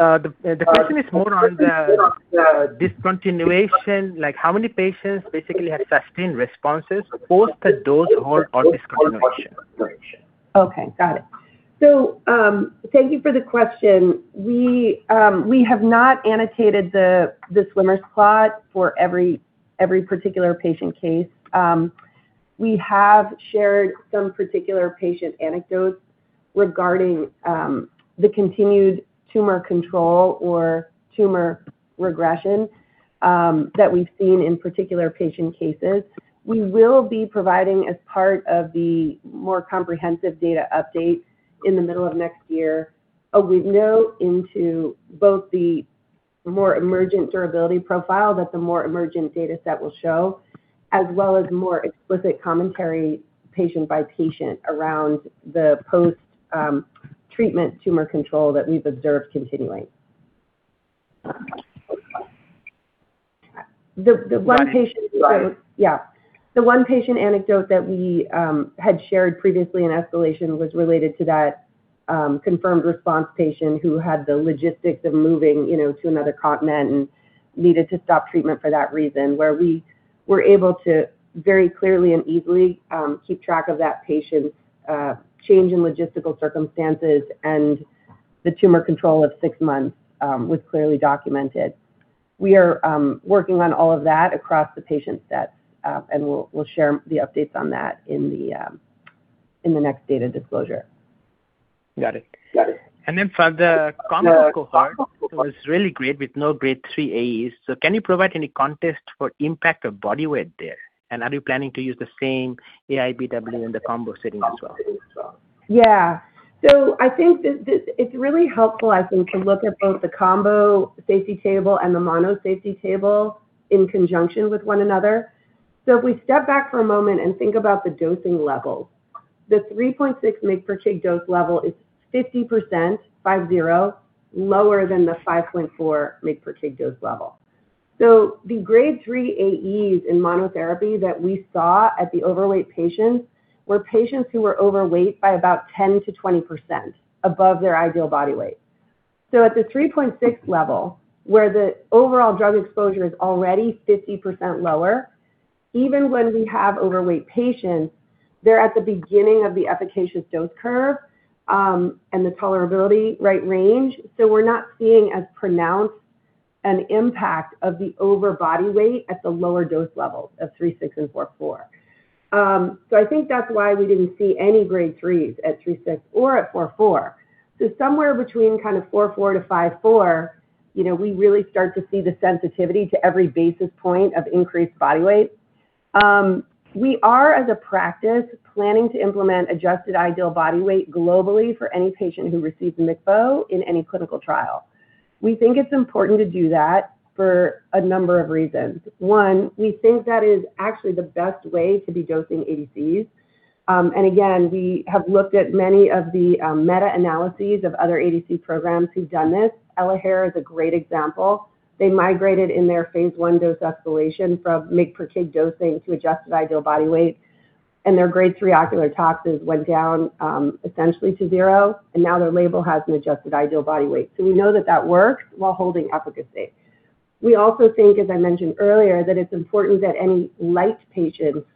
The question is more on the discontinuation, like how many patients basically had sustained responses post-dose hold or discontinuation. Okay. Got it. So thank you for the question. We have not annotated the swimmers plot for every particular patient case. We have shared some particular patient anecdotes regarding the continued tumor control or tumor regression that we've seen in particular patient cases. We will be providing, as part of the more comprehensive data update in the middle of next year, a window into both the more emergent durability profile that the more emergent data set will show, as well as more explicit commentary patient by patient around the post-treatment tumor control that we've observed continuing. The one patient anecdote yeah. The one patient anecdote that we had shared previously in escalation was related to that confirmed response patient who had the logistics of moving to another continent and needed to stop treatment for that reason, where we were able to very clearly and easily keep track of that patient's change in logistical circumstances and the tumor control of six months was clearly documented. We are working on all of that across the patient sets, and we'll share the updates on that in the next data disclosure. Got it. And then for the combo cohort, it was really great with no Grade 3 AEs. So can you provide any context for impact of body weight there? And are you planning to use the same AIBW in the combo setting as well? Yeah. So I think it's really helpful, I think, to look at both the combo safety table and the mono safety table in conjunction with one another. So if we step back for a moment and think about the dosing levels, the 3.6 mg/kg dose level is 50% lower than the 5.4 mg/kg dose level. So the Grade 3 AEs in monotherapy that we saw at the overweight patients were patients who were overweight by about 10%-20% above their ideal body weight. So at the 3.6 level, where the overall drug exposure is already 50% lower, even when we have overweight patients, they're at the beginning of the efficacious dose curve and the tolerability rate range. So we're not seeing as pronounced an impact of the over body weight at the lower dose levels of 3.6 and 4.4. So I think that's why we didn't see any Grade 3s at 3.6 or at 4.4. So somewhere between kind of 4.4 to 5.4, we really start to see the sensitivity to every basis point of increased body weight. We are, as a practice, planning to implement Adjusted Ideal Body Weight globally for any patient who receives MCVO in any clinical trial. We think it's important to do that for a number of reasons. One, we think that is actually the best way to be dosing ADCs. And again, we have looked at many of the meta-analyses of other ADC programs who've done this. Elahere is a great example. They migrated in their Phase 1 dose escalation from mg/kg dosing to Adjusted Ideal Body Weight, and their Grade 3 ocular tox went down essentially to zero, and now their label has an Adjusted Ideal Body Weight. So we know that that works while holding efficacy. We also think, as I mentioned earlier, that it's important that any light patients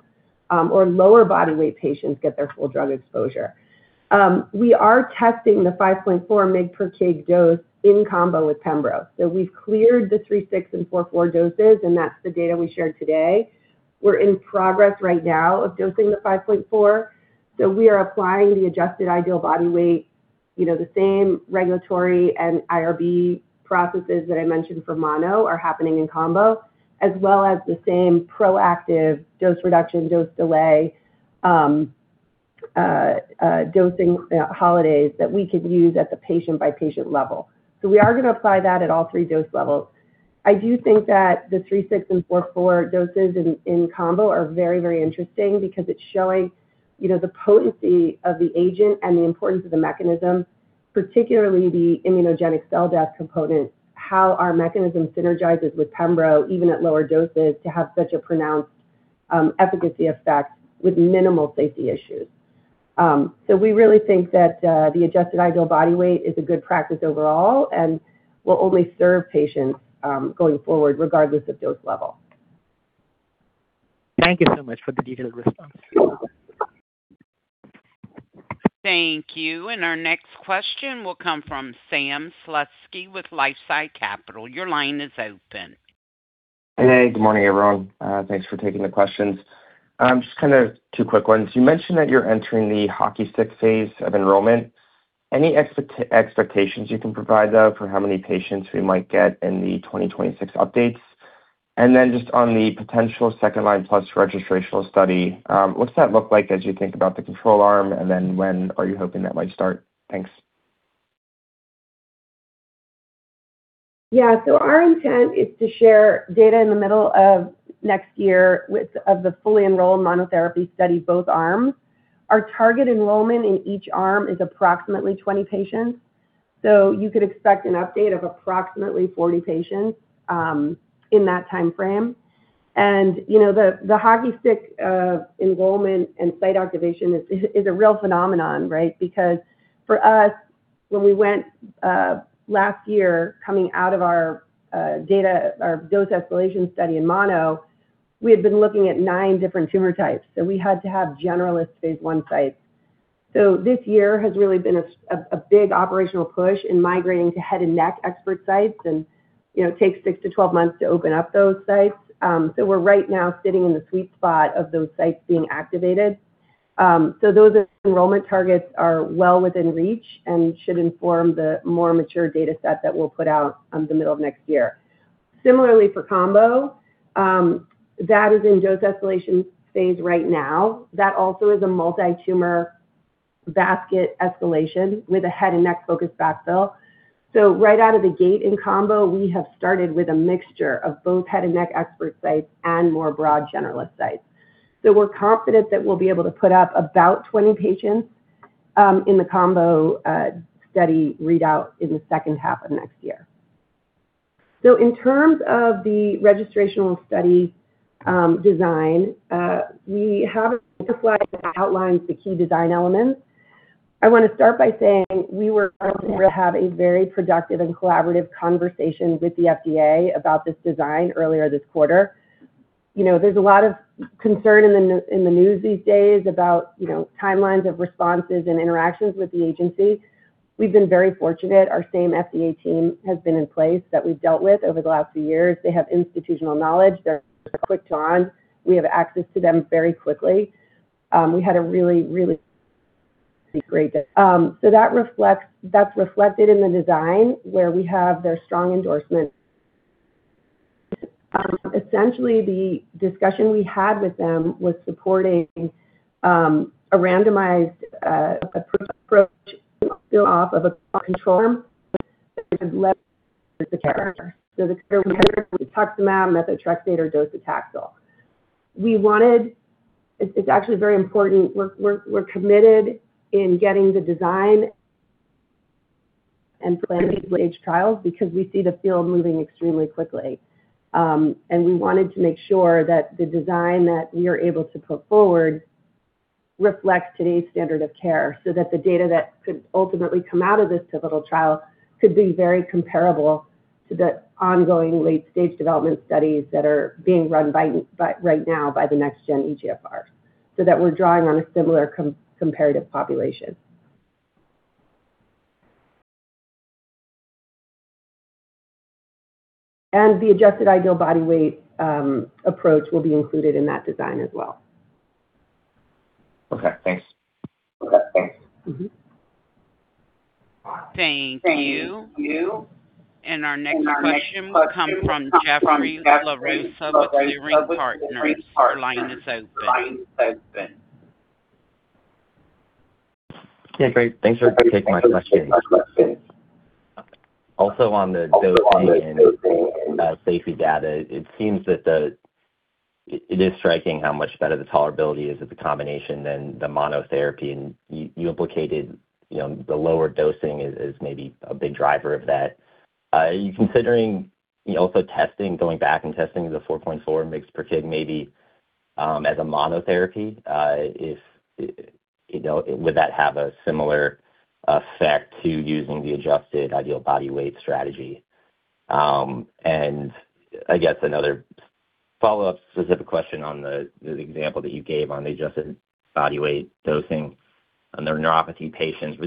or lower body weight patients get their full drug exposure. We are testing the 5.4 mg/kg dose in combo with Pembro. So we've cleared the 3.6 and 4.4 doses, and that's the data we shared today. We're in progress right now of dosing the 5.4. So we are applying the Adjusted Ideal Body Weight. The same regulatory and IRB processes that I mentioned for mono are happening in combo, as well as the same proactive dose reduction, dose delay dosing holidays that we could use at the patient-by-patient level. So we are going to apply that at all three dose levels. I do think that the 3.6 and 4.4 doses in combo are very, very interesting because it's showing the potency of the agent and the importance of the mechanism, particularly the immunogenic cell death component, how our mechanism synergizes with Pembro, even at lower doses, to have such a pronounced efficacy effect with minimal safety issues. So we really think that the Adjusted Ideal Body Weight is a good practice overall and will only serve patients going forward, regardless of dose level. Thank you so much for the detailed response. Thank you. And our next question will come from Sam Slutsky with LifeSci Capital. Your line is open. Hey, good morning, everyone. Thanks for taking the questions. Just kind of two quick ones. You mentioned that you're entering the hockey stick phase of enrollment. Any expectations you can provide, though, for how many patients we might get in the 2026 updates? And then just on the potential second line plus registrational study, what's that look like as you think about the control arm, and then when are you hoping that might start? Thanks. Yeah. So our intent is to share data in the middle of next year with the fully enrolled monotherapy study, both arms. Our target enrollment in each arm is approximately 20 patients. So you could expect an update of approximately 40 patients in that timeframe. And the hockey stick enrollment and site activation is a real phenomenon, right? Because for us, when we went last year coming out of our dose escalation study in mono, we had been looking at nine different tumor types. So we had to have generalist Phase 1 sites. So this year has really been a big operational push in migrating to head and neck expert sites, and it takes six to 12 months to open up those sites. So we're right now sitting in the sweet spot of those sites being activated. So those enrollment targets are well within reach and should inform the more mature data set that we'll put out in the middle of next year. Similarly, for combo, that is in dose escalation phase right now. That also is a multi-tumor basket escalation with a head and neck focused backfill. So right out of the gate in combo, we have started with a mixture of both head and neck expert sites and more broad generalist sites. So we're confident that we'll be able to put up about 20 patients in the combo study readout in the second half of next year. So in terms of the registrational study design, we have a slide that outlines the key design elements. I want to start by saying we were going to have a very productive and collaborative conversation with the FDA about this design earlier this quarter. There's a lot of concern in the news these days about timelines of responses and interactions with the agency. We've been very fortunate. Our same FDA team has been in place that we've dealt with over the last few years. They have institutional knowledge. They're quick to respond. We have access to them very quickly. We had a really, really great—so that's reflected in the design, where we have their strong endorsement. Essentially, the discussion we had with them was supporting a randomized approach built off of a control arm, so the current comparison is Cetuximab, Methotrexate, or Docetaxel. It's actually very important. We're committed in getting the design and planning stage trials because we see the field moving extremely quickly, and we wanted to make sure that the design that we are able to put forward reflects today's standard of care so that the data that could ultimately come out of this pivotal trial could be very comparable to the ongoing late-stage development studies that are being run right now by the next-gen EGFR, so that we're drawing on a similar comparative population, and the Adjusted Ideal Body Weight approach will be included in that design as well. Okay. Thanks. Okay. Thanks. Thank you. Our next question will come from Jeffrey La Rosa with Leerink Partners. Your line is open. Okay. Great. Thanks for taking my question. Also on the dosing and safety data, it seems that it is striking how much better the tolerability is of the combination than the monotherapy. And you implicated the lower dosing as maybe a big driver of that. Considering also going back and testing the 4.4 mg/kg maybe as a monotherapy, would that have a similar effect to using the Adjusted Ideal Body Weight strategy? And I guess another follow-up specific question on the example that you gave on the adjusted body weight dosing on their neuropathy patients. Were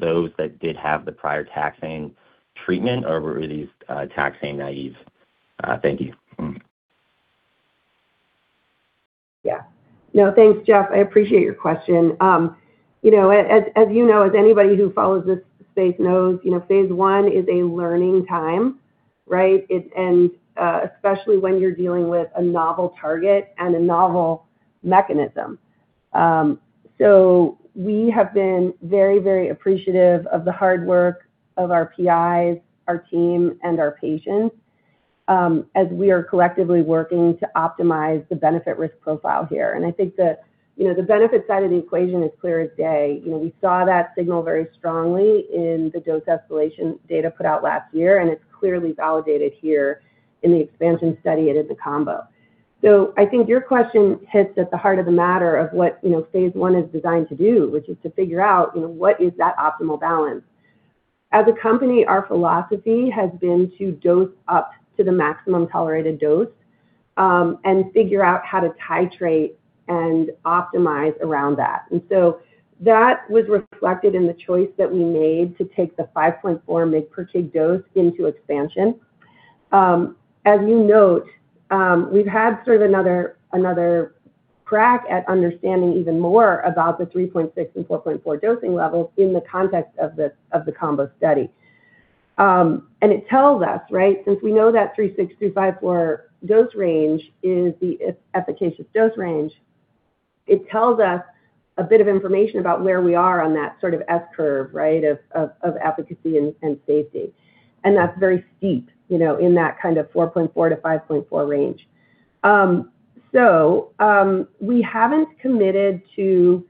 those that did have the prior taxane treatment, or were these taxane naive? Thank you. Yeah. No, thanks, Jeff. I appreciate your question. As you know, as anybody who follows this space knows, Phase 1 is a learning time, right, and especially when you're dealing with a novel target and a novel mechanism, so we have been very, very appreciative of the hard work of our PIs, our team, and our patients as we are collectively working to optimize the benefit-risk profile here, and I think the benefit side of the equation is clear as day. We saw that signal very strongly in the dose escalation data put out last year, and it's clearly validated here in the expansion study and in the combo, so I think your question hits at the heart of the matter of what Phase 1 is designed to do, which is to figure out what is that optimal balance. As a company, our philosophy has been to dose up to the maximum tolerated dose and figure out how to titrate and optimize around that. And so that was reflected in the choice that we made to take the 5.4 mg/kg dose into expansion. As you note, we've had sort of another crack at understanding even more about the 3.6 and 4.4 dosing levels in the context of the combo study. And it tells us, right, since we know that 3.6 through 5.4 dose range is the efficacious dose range, it tells us a bit of information about where we are on that sort of S curve, right, of efficacy and safety. And that's very steep in that kind of 4.4 to 5.4 range. So we haven't committed to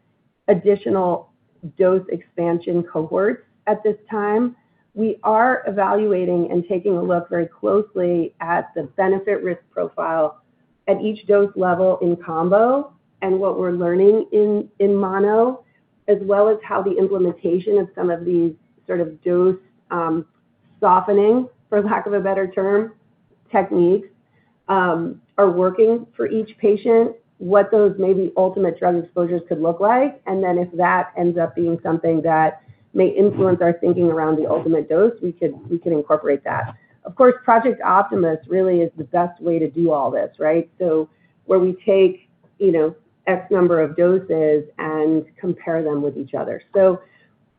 additional dose expansion cohorts at this time. We are evaluating and taking a look very closely at the benefit-risk profile at each dose level in combo and what we're learning in mono, as well as how the implementation of some of these sort of dose softening, for lack of a better term, techniques are working for each patient, what those maybe ultimate drug exposures could look like. And then if that ends up being something that may influence our thinking around the ultimate dose, we could incorporate that. Of course, Project Optimus really is the best way to do all this, right? So where we take X number of doses and compare them with each other. So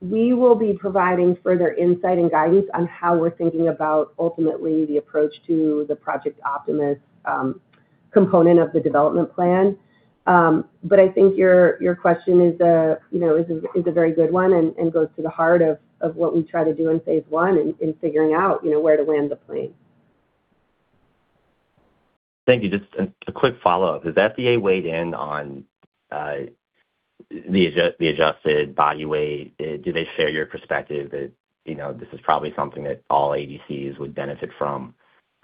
we will be providing further insight and guidance on how we're thinking about ultimately the approach to the Project Optimus component of the development plan. But I think your question is a very good one and goes to the heart of what we try to do in Phase 1 in figuring out where to land the plane. Thank you. Just a quick follow-up. Has FDA weighed in on the adjusted body weight? Did they share your perspective that this is probably something that all ADCs would benefit from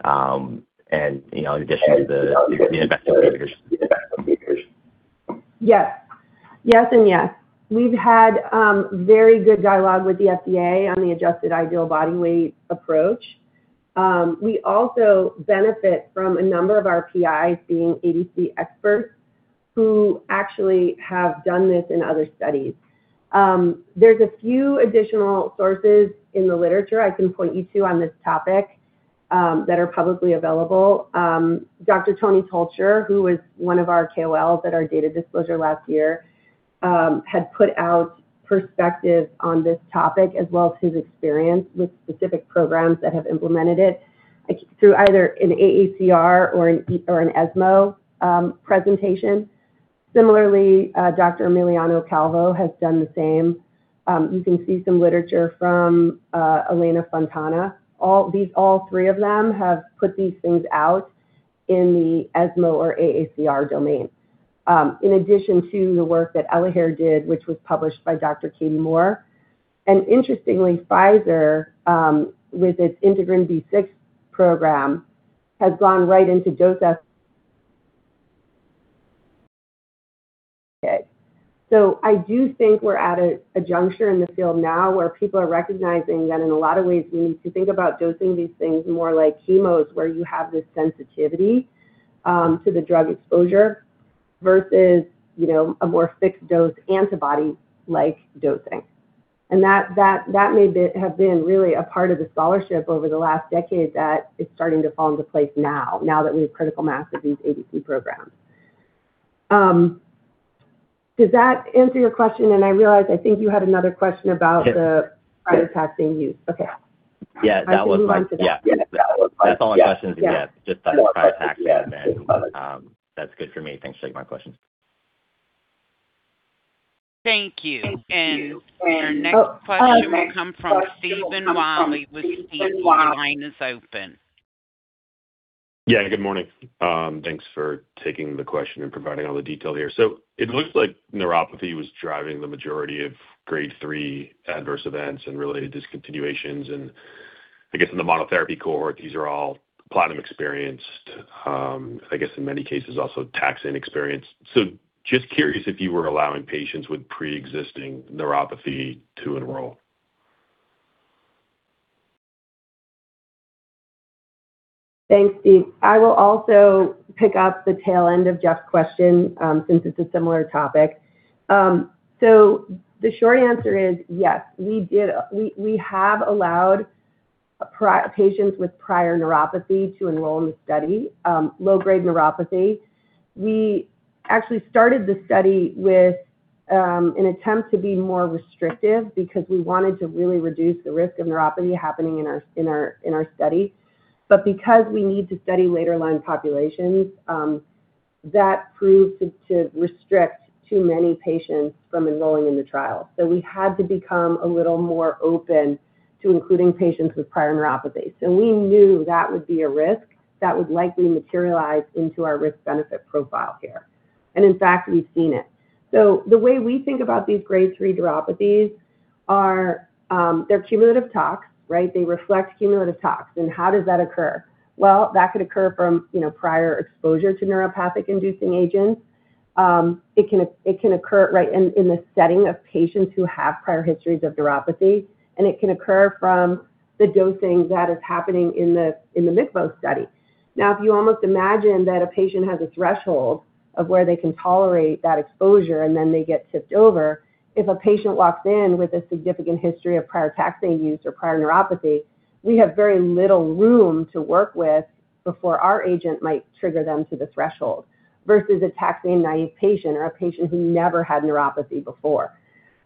in addition to the investigator's? Yes. Yes and yes. We've had very good dialogue with the FDA on the Adjusted Ideal Body Weight approach. We also benefit from a number of our PIs being ADC experts who actually have done this in other studies. There's a few additional sources in the literature I can point you to on this topic that are publicly available. Dr. Tony Tolcher, who was one of our KOLs at our data disclosure last year, had put out perspectives on this topic as well as his experience with specific programs that have implemented it through either an AACR or an ESMO presentation. Similarly, Dr. Emiliano Calvo has done the same. You can see some literature from Elena Fontana. These all three of them have put these things out in the ESMO or AACR domain, in addition to the work that Elahere did, which was published by Dr. Katie Moore. And interestingly, Pfizer, with its Integrin B6 program, has gone right into dose escalation. Okay. So I do think we're at a juncture in the field now where people are recognizing that in a lot of ways, we need to think about dosing these things more like chemos, where you have this sensitivity to the drug exposure versus a more fixed-dose antibody-like dosing. And that may have been really a part of the scholarship over the last decade that is starting to fall into place now, now that we have critical mass of these ADC programs. Does that answer your question? And I realize I think you had another question about the prior taxane use. Okay. Yeah. That was my question. Yeah. That's all my questions we had. Just prior taxane. That's good for me. Thanks for taking my questions. Thank you. And our next question will come from Stephen Willey with Stifel. Line is open. Yeah. Good morning. Thanks for taking the question and providing all the detail here. So it looks like neuropathy was driving the majority of Grade 3 adverse events and related discontinuations. And I guess in the monotherapy cohort, these are all platinum experienced, I guess in many cases also taxane experienced. So just curious if you were allowing patients with pre-existing neuropathy to enroll. Thanks, Steve. I will also pick up the tail end of Jeff's question since it's a similar topic. So the short answer is yes. We have allowed patients with prior neuropathy to enroll in the study, low-grade neuropathy. We actually started the study with an attempt to be more restrictive because we wanted to really reduce the risk of neuropathy happening in our study. But because we need to study later-line populations, that proved to restrict too many patients from enrolling in the trial. We had to become a little more open to including patients with prior neuropathy. We knew that would be a risk that would likely materialize into our risk-benefit profile here. In fact, we've seen it. The way we think about these Grade 3 neuropathies, they're cumulative tox, right? They reflect cumulative tox. How does that occur? That could occur from prior exposure to neuropathic-inducing agents. It can occur right in the setting of patients who have prior histories of neuropathy. It can occur from the dosing that is happening in the MCVO study. Now, if you almost imagine that a patient has a threshold of where they can tolerate that exposure and then they get tipped over, if a patient walks in with a significant history of prior taxane use or prior neuropathy, we have very little room to work with before our agent might trigger them to the threshold versus a taxane-naive patient or a patient who never had neuropathy before.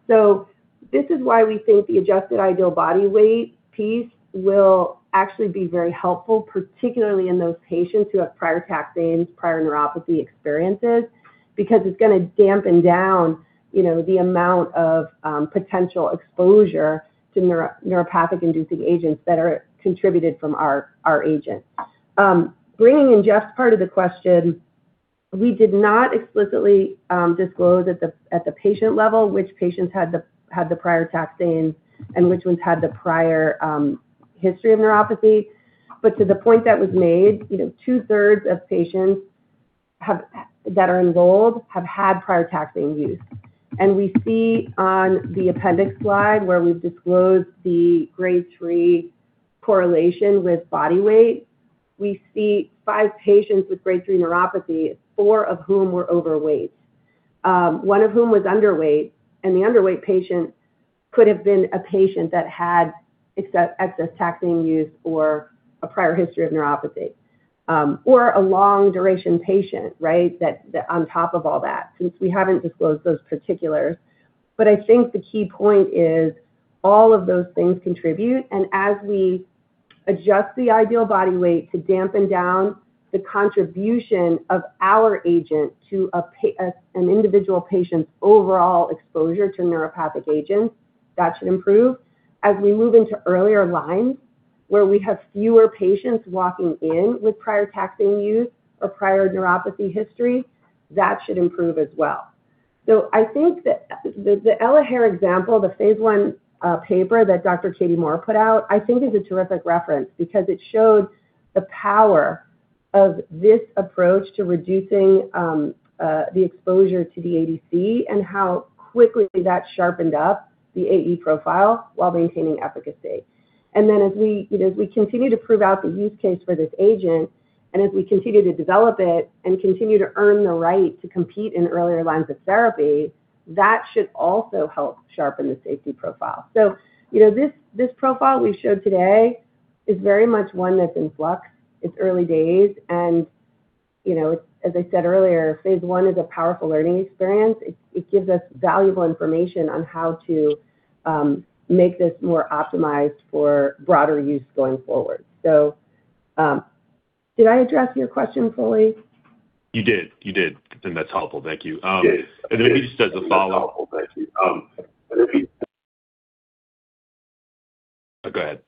So this is why we think the Adjusted Ideal Body Weight piece will actually be very helpful, particularly in those patients who have prior taxanes, prior neuropathy experiences, because it's going to dampen down the amount of potential exposure to neuropathic-inducing agents that are contributed from our agent. Bringing in Jeff's part of the question, we did not explicitly disclose at the patient level which patients had the prior taxane and which ones had the prior history of neuropathy. But to the point that was made, two-thirds of patients that are enrolled have had prior taxane use. And we see on the appendix slide where we've disclosed the Grade 3 correlation with body weight, we see five patients with Grade 3 neuropathy, four of whom were overweight, one of whom was underweight. And the underweight patient could have been a patient that had excess taxane use or a prior history of neuropathy or a long-duration patient, right, on top of all that, since we haven't disclosed those particulars. But I think the key point is all of those things contribute. And as we adjust the ideal body weight to dampen down the contribution of our agent to an individual patient's overall exposure to neuropathic agents, that should improve. As we move into earlier lines where we have fewer patients walking in with prior taxane use or prior neuropathy history, that should improve as well, so I think the Elahere example, the Phase 1 paper that Dr. Katie Moore put out, I think is a terrific reference because it showed the power of this approach to reducing the exposure to the ADC and how quickly that sharpened up the AE profile while maintaining efficacy, and then as we continue to prove out the use case for this agent and as we continue to develop it and continue to earn the right to compete in earlier lines of therapy, that should also help sharpen the safety profile, so this profile we showed today is very much one that's in flux. It's early days, and as I said earlier, Phase 1 is a powerful learning experience. It gives us valuable information on how to make this more optimized for broader use going forward. So did I address your question fully? You did. You did. And that's helpful. Thank you. And maybe just as a follow-up. Oh, go ahead.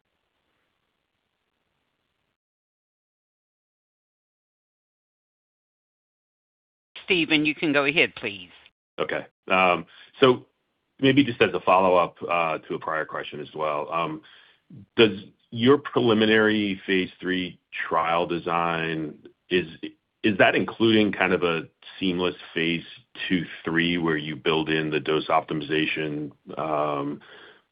Stephen, you can go ahead, please. Okay. So maybe just as a follow-up to a prior question as well, does your preliminary Phase 3 trial design, is that including kind of a seamless phase two-three where you build in the dose optimization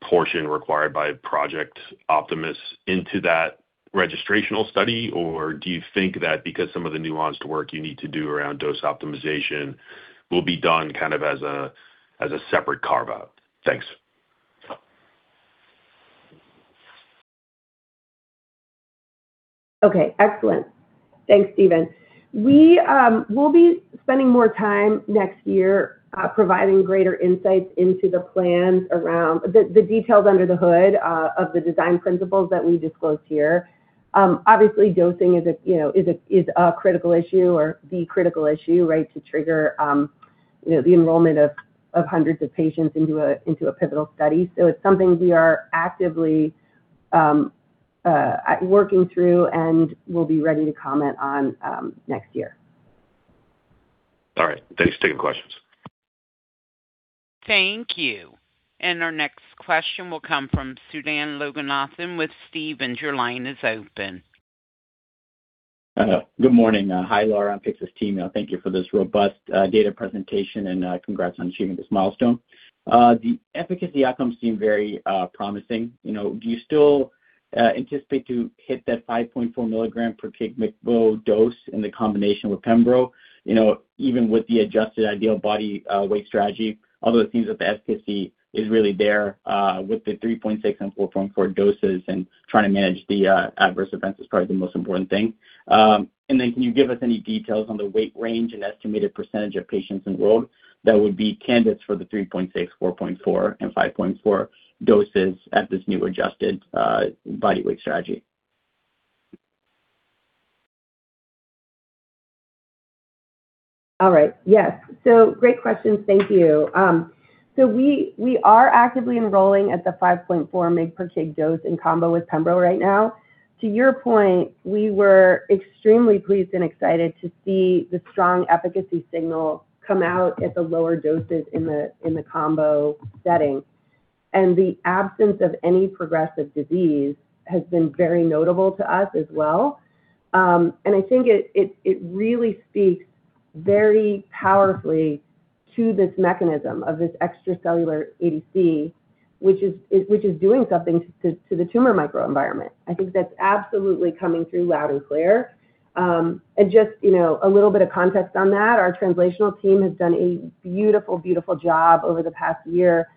portion required by Project Optimus into that registrational study? Or do you think that because some of the nuanced work you need to do around dose optimization will be done kind of as a separate carve-out? Thanks. Okay. Excellent. Thanks, Stephen. We will be spending more time next year providing greater insights into the plans around the details under the hood of the design principles that we disclosed here. Obviously, dosing is a critical issue or the critical issue, right, to trigger the enrollment of hundreds of patients into a pivotal study. So it's something we are actively working through and will be ready to comment on next year. All right. Thanks. Taking questions. Thank you. And our next question will come from Sudan Loganathan with Stephens. Your line is open. Good morning. Hi, Lara. I'm Pyxis Team. Thank you for this robust data presentation and congrats on achieving this milestone. The efficacy outcomes seem very promising. Do you still anticipate to hit that 5.4 milligram per kg MICVO dose in the combination with Pembro, even with the Adjusted Ideal Body Weight strategy, although it seems that the efficacy is really there with the 3.6 and 4.4 doses and trying to manage the adverse events is probably the most important thing? And then can you give us any details on the weight range and estimated percentage of patients enrolled that would be candidates for the 3.6, 4.4, and 5.4 doses at this new adjusted body weight strategy? All right. Yes. Great questions. Thank you. We are actively enrolling at the 5.4 mg per kg dose in combo with Pembro right now. To your point, we were extremely pleased and excited to see the strong efficacy signal come out at the lower doses in the combo setting. And the absence of any progressive disease has been very notable to us as well. And I think it really speaks very powerfully to this mechanism of this extracellular ADC, which is doing something to the tumor microenvironment. I think that's absolutely coming through loud and clear. And just a little bit of context on that, our translational team has done a beautiful, beautiful job over the past year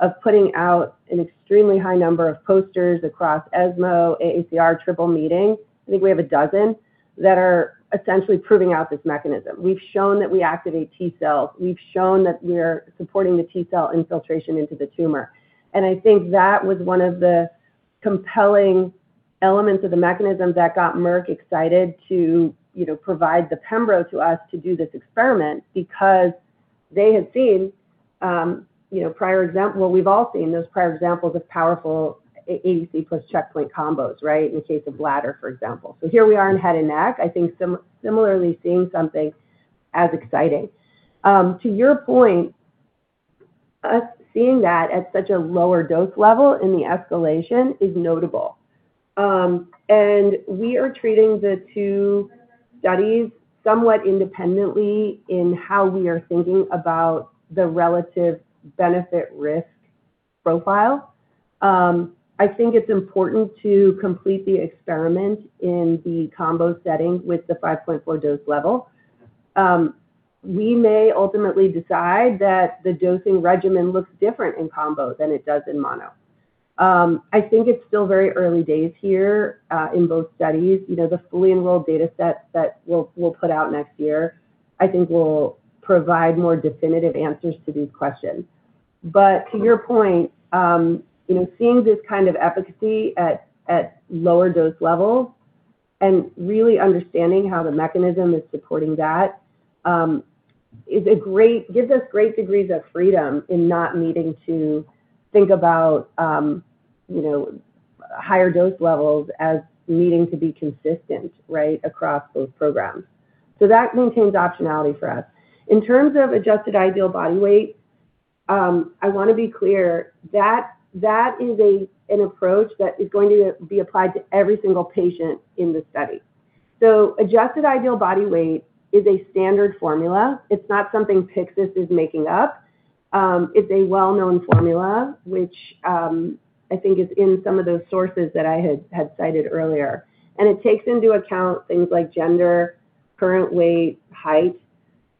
of putting out an extremely high number of posters across ESMO, AACR, triple meeting. I think we have a dozen that are essentially proving out this mechanism. We've shown that we activate T cells. We've shown that we're supporting the T cell infiltration into the tumor. And I think that was one of the compelling elements of the mechanism that got Merck excited to provide the Pembro to us to do this experiment because they had seen prior examples. We've all seen those prior examples of powerful ADC plus checkpoint combos, right, in the case of bladder, for example. Here we are in head and neck. I think similarly seeing something as exciting. To your point, us seeing that at such a lower dose level in the escalation is notable. We are treating the two studies somewhat independently in how we are thinking about the relative benefit-risk profile. I think it's important to complete the experiment in the combo setting with the 5.4 dose level. We may ultimately decide that the dosing regimen looks different in combo than it does in mono. I think it's still very early days here in both studies. The fully enrolled data set that we'll put out next year, I think, will provide more definitive answers to these questions. But to your point, seeing this kind of efficacy at lower dose levels and really understanding how the mechanism is supporting that gives us great degrees of freedom in not needing to think about higher dose levels as needing to be consistent, right, across those programs. So that maintains optionality for us. In terms of Adjusted Ideal Body Weight, I want to be clear that that is an approach that is going to be applied to every single patient in the study. So Adjusted Ideal Body Weight is a standard formula. It's not something Pyxis is making up. It's a well-known formula, which I think is in some of those sources that I had cited earlier. And it takes into account things like gender, current weight, height.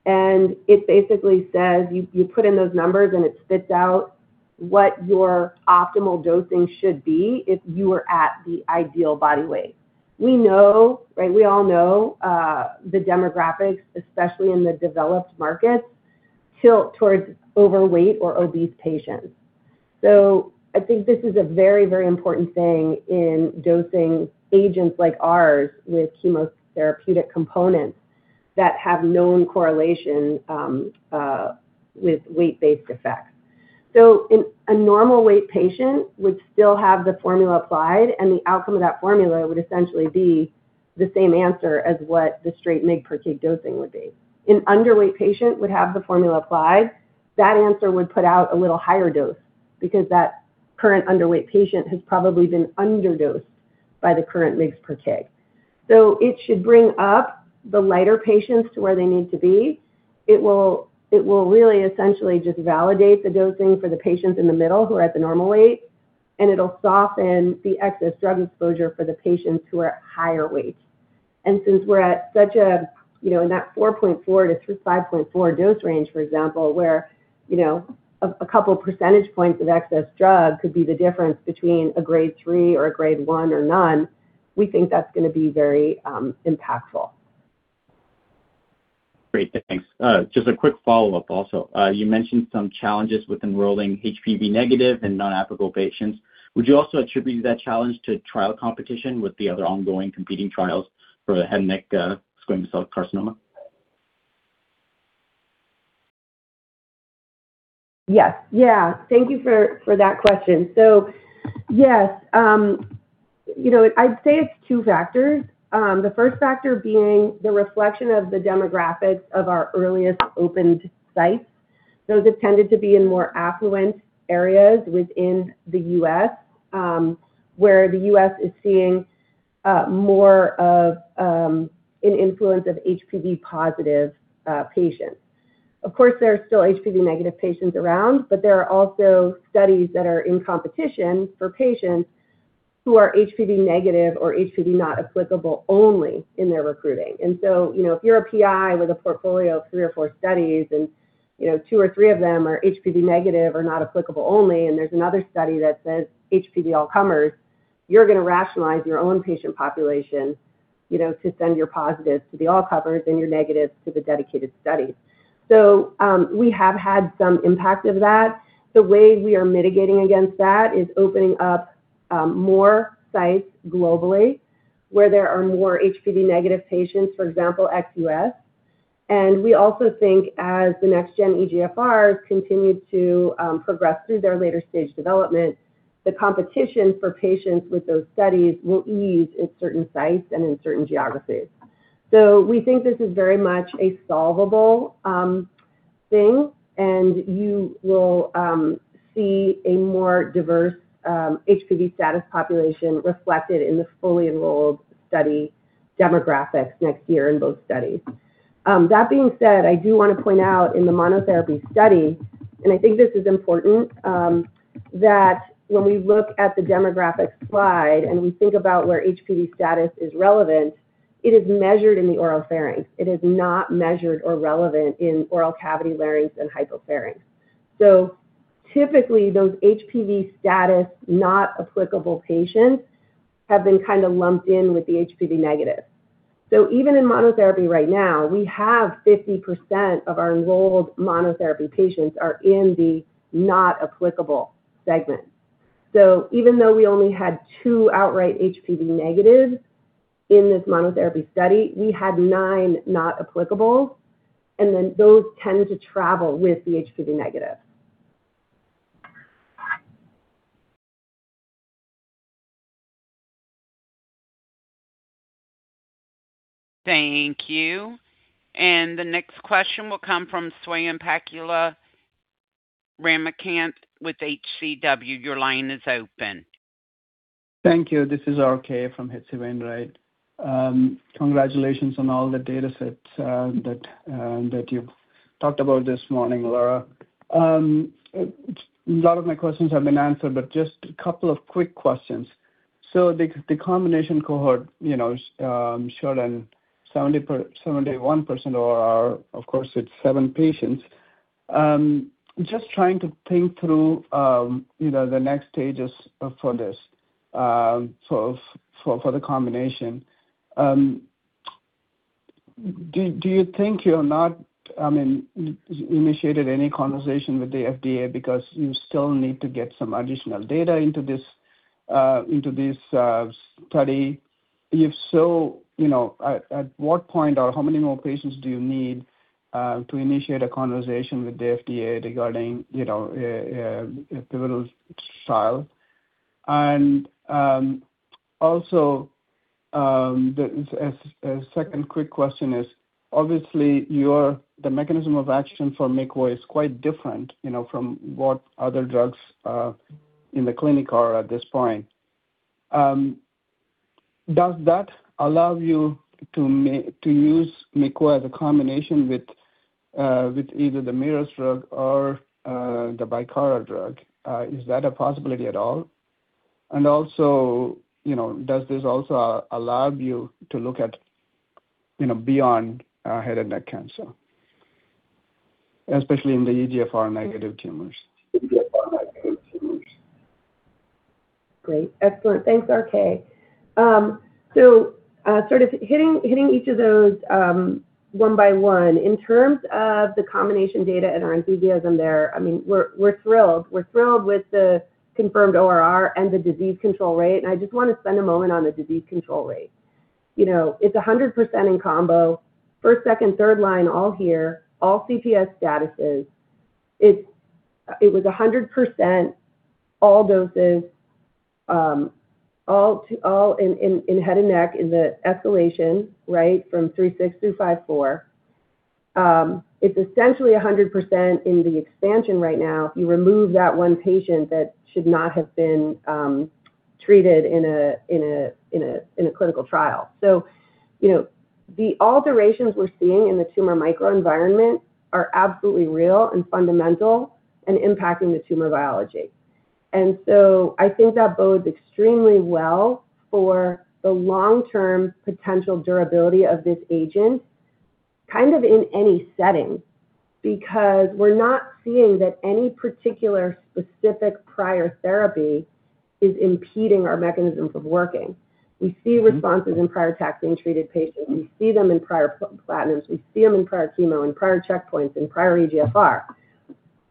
It basically says you put in those numbers and it spits out what your optimal dosing should be if you were at the ideal body weight. We know, right, we all know the demographics, especially in the developed markets, tilt towards overweight or obese patients. I think this is a very, very important thing in dosing agents like ours with chemotherapeutic components that have known correlation with weight-based effects. A normal weight patient would still have the formula applied, and the outcome of that formula would essentially be the same answer as what the straight mg per kg dosing would be. An underweight patient would have the formula applied. That answer would put out a little higher dose because that current underweight patient has probably been underdosed by the current mg/kg. It should bring up the lighter patients to where they need to be. It will really essentially just validate the dosing for the patients in the middle who are at the normal weight, and it'll soften the excess drug exposure for the patients who are at higher weight. And since we're at such a, in that 4.4 to 5.4 dose range, for example, where a couple of percentage points of excess drug could be the difference between a Grade 3 or a Grade 1 or none, we think that's going to be very impactful. Great. Thanks. Just a quick follow-up also. You mentioned some challenges with enrolling HPV-negative and non-oropharyngeal patients. Would you also attribute that challenge to trial competition with the other ongoing competing trials for head and neck squamous cell carcinoma? Yes. Yeah. Thank you for that question. So yes, I'd say it's two factors. The first factor being the reflection of the demographics of our earliest opened sites. Those have tended to be in more affluent areas within the U.S. where the U.S. is seeing more of an influence of HPV-positive patients. Of course, there are still HPV-negative patients around, but there are also studies that are in competition for patients who are HPV-negative or HPV-not applicable only in their recruiting. And so if you're a PI with a portfolio of three or four studies and two or three of them are HPV-negative or not applicable only, and there's another study that says HPV all-comers, you're going to rationalize your own patient population to send your positives to the all-comers and your negatives to the dedicated studies. So we have had some impact of that. The way we are mitigating against that is opening up more sites globally where there are more HPV-negative patients, for example, ex-U.S. And we also think as the next-gen EGFRs continue to progress through their later stage development, the competition for patients with those studies will ease in certain sites and in certain geographies. So we think this is very much a solvable thing, and you will see a more diverse HPV status population reflected in the fully enrolled study demographics next year in both studies. That being said, I do want to point out in the monotherapy study, and I think this is important, that when we look at the demographic slide and we think about where HPV status is relevant, it is measured in the oropharynx. It is not measured or relevant in oral cavity larynx and hypopharynx. So typically, those HPV-status-not-applicable patients have been kind of lumped in with the HPV-negative. So even in monotherapy right now, we have 50% of our enrolled monotherapy patients are in the not-applicable segment. So even though we only had two outright HPV-negatives in this monotherapy study, we had nine not-applicable, and then those tend to travel with the HPV-negative. Thank you. And the next question will come from Swayampakula Ramakanth with H.C. Wainwright. Your line is open. Thank you. This is RK from H.C. Wainwright. Congratulations on all the datasets that you've talked about this morning, Lara. A lot of my questions have been answered, but just a couple of quick questions. So the combination cohort, sort of 71%, of course, it's seven patients. Just trying to think through the next stages for this, for the combination. Do you think you're not, I mean, initiated any conversation with the FDA because you still need to get some additional data into this study? If so, at what point or how many more patients do you need to initiate a conversation with the FDA regarding a pivotal trial? And also, a second quick question is, obviously, the mechanism of action for MCVO is quite different from what other drugs in the clinic are at this point. Does that allow you to use MCVO as a combination with either the Merus drug or the Bicara drug? Is that a possibility at all? And also, does this also allow you to look at beyond head and neck cancer, especially in the EGFR-negative tumors? EGFR-negative tumors. Great. Excellent. Thanks, RK. So sort of hitting each of those one by one, in terms of the combination data and our enthusiasm there, I mean, we're thrilled. We're thrilled with the confirmed ORR and the disease control rate. And I just want to spend a moment on the disease control rate. It's 100% in combo, first, second, third line, all here, all CPS statuses. It was 100% all doses, all in head and neck in the escalation, right, from 3.6 through 5.4. It's essentially 100% in the expansion right now if you remove that one patient that should not have been treated in a clinical trial. So the alterations we're seeing in the tumor microenvironment are absolutely real and fundamental and impacting the tumor biology. And so I think that bodes extremely well for the long-term potential durability of this agent, kind of in any setting, because we're not seeing that any particular specific prior therapy is impeding our mechanisms of working. We see responses in prior taxane-treated patients. We see them in prior platinums. We see them in prior chemo, in prior checkpoints, in prior EGFR.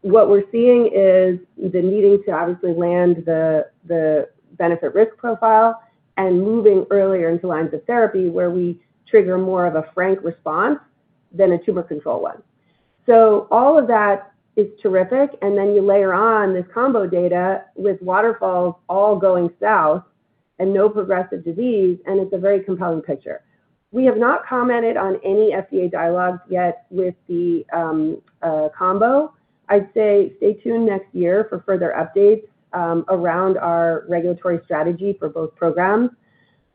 What we're seeing is the needing to obviously land the benefit-risk profile and moving earlier into lines of therapy where we trigger more of a frank response than a tumor control one. So all of that is terrific. And then you layer on this combo data with waterfalls all going south and no progressive disease, and it's a very compelling picture. We have not commented on any FDA dialogues yet with the combo. I'd say stay tuned next year for further updates around our regulatory strategy for both programs.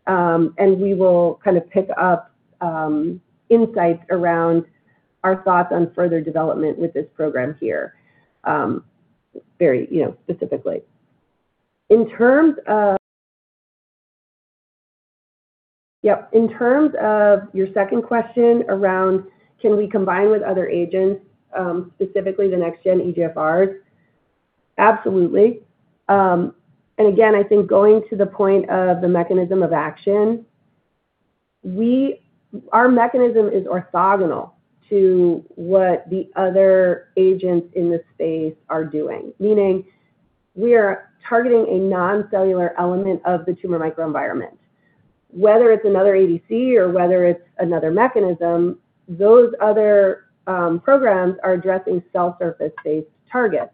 And we will kind of pick up insights around our thoughts on further development with this program here, very specifically. In terms of your second question around, can we combine with other agents, specifically the next-gen EGFRs? Absolutely. Again, I think going to the point of the mechanism of action, our mechanism is orthogonal to what the other agents in this space are doing, meaning we are targeting a non-cellular element of the tumor microenvironment. Whether it's another ADC or whether it's another mechanism, those other programs are addressing cell surface-based targets.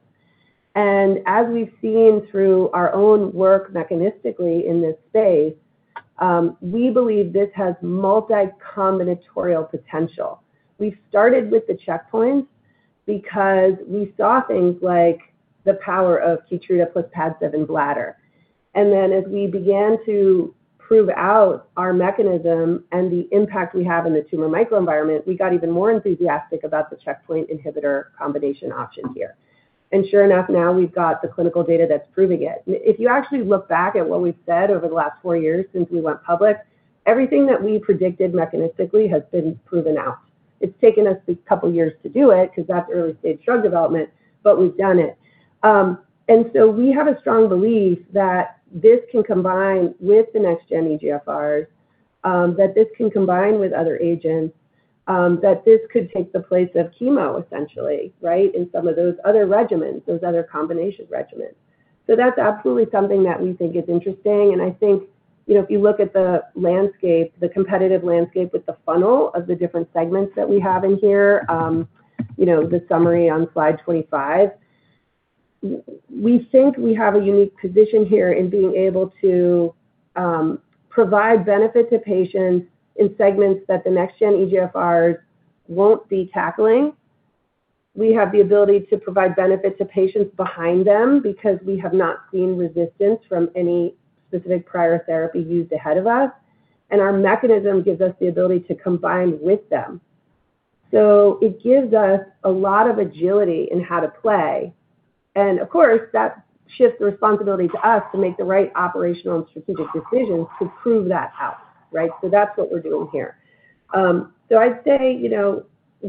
As we've seen through our own work mechanistically in this space, we believe this has multi-combinatorial potential. We started with the checkpoints because we saw things like the power of Keytruda plus PAD7 bladder. Then as we began to prove out our mechanism and the impact we have in the tumor microenvironment, we got even more enthusiastic about the checkpoint inhibitor combination option here. Sure enough, now we've got the clinical data that's proving it. If you actually look back at what we've said over the last four years since we went public, everything that we predicted mechanistically has been proven out. It's taken us a couple of years to do it because that's early-stage drug development, but we've done it. And so we have a strong belief that this can combine with the next-gen EGFRs, that this can combine with other agents, that this could take the place of chemo, essentially, right, in some of those other regimens, those other combination regimens. So that's absolutely something that we think is interesting. And I think if you look at the landscape, the competitive landscape with the funnel of the different segments that we have in here, the summary on slide 25, we think we have a unique position here in being able to provide benefit to patients in segments that the next-gen EGFRs won't be tackling. We have the ability to provide benefit to patients behind them because we have not seen resistance from any specific prior therapy used ahead of us. And our mechanism gives us the ability to combine with them. So it gives us a lot of agility in how to play. And of course, that shifts the responsibility to us to make the right operational and strategic decisions to prove that out, right? So that's what we're doing here. So I'd say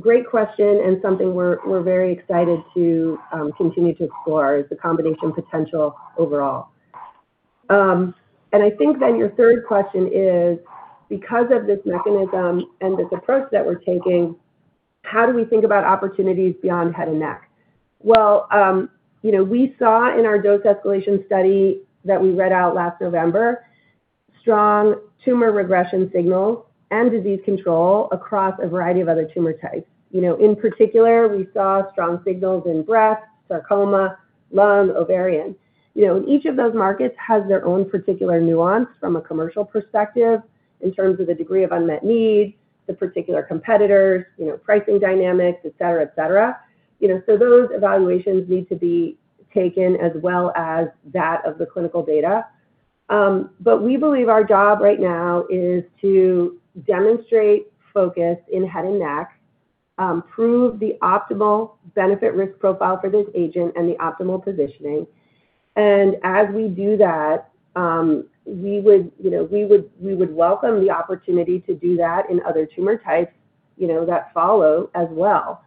great question and something we're very excited to continue to explore is the combination potential overall. I think then your third question is, because of this mechanism and this approach that we're taking, how do we think about opportunities beyond head and neck? We saw in our dose escalation study that we read out last November, strong tumor regression signals and disease control across a variety of other tumor types. In particular, we saw strong signals in breast, sarcoma, lung, ovarian. Each of those markets has their own particular nuance from a commercial perspective in terms of the degree of unmet needs, the particular competitors, pricing dynamics, etc., etc. Those evaluations need to be taken as well as that of the clinical data. We believe our job right now is to demonstrate focus in head and neck, prove the optimal benefit-risk profile for this agent, and the optimal positioning. As we do that, we would welcome the opportunity to do that in other tumor types that follow as well.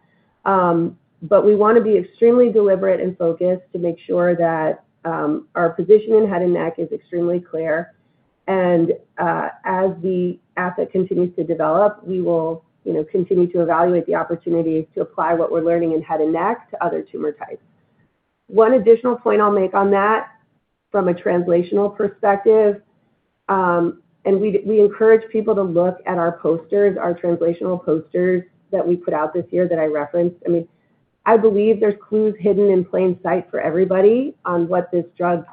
But we want to be extremely deliberate and focused to make sure that our position in head and neck is extremely clear. As the asset continues to develop, we will continue to evaluate the opportunities to apply what we're learning in head and neck to other tumor types. One additional point I'll make on that from a translational perspective, and we encourage people to look at our posters, our translational posters that we put out this year that I referenced. I mean, I believe there's clues hidden in plain sight for everybody on what this drug's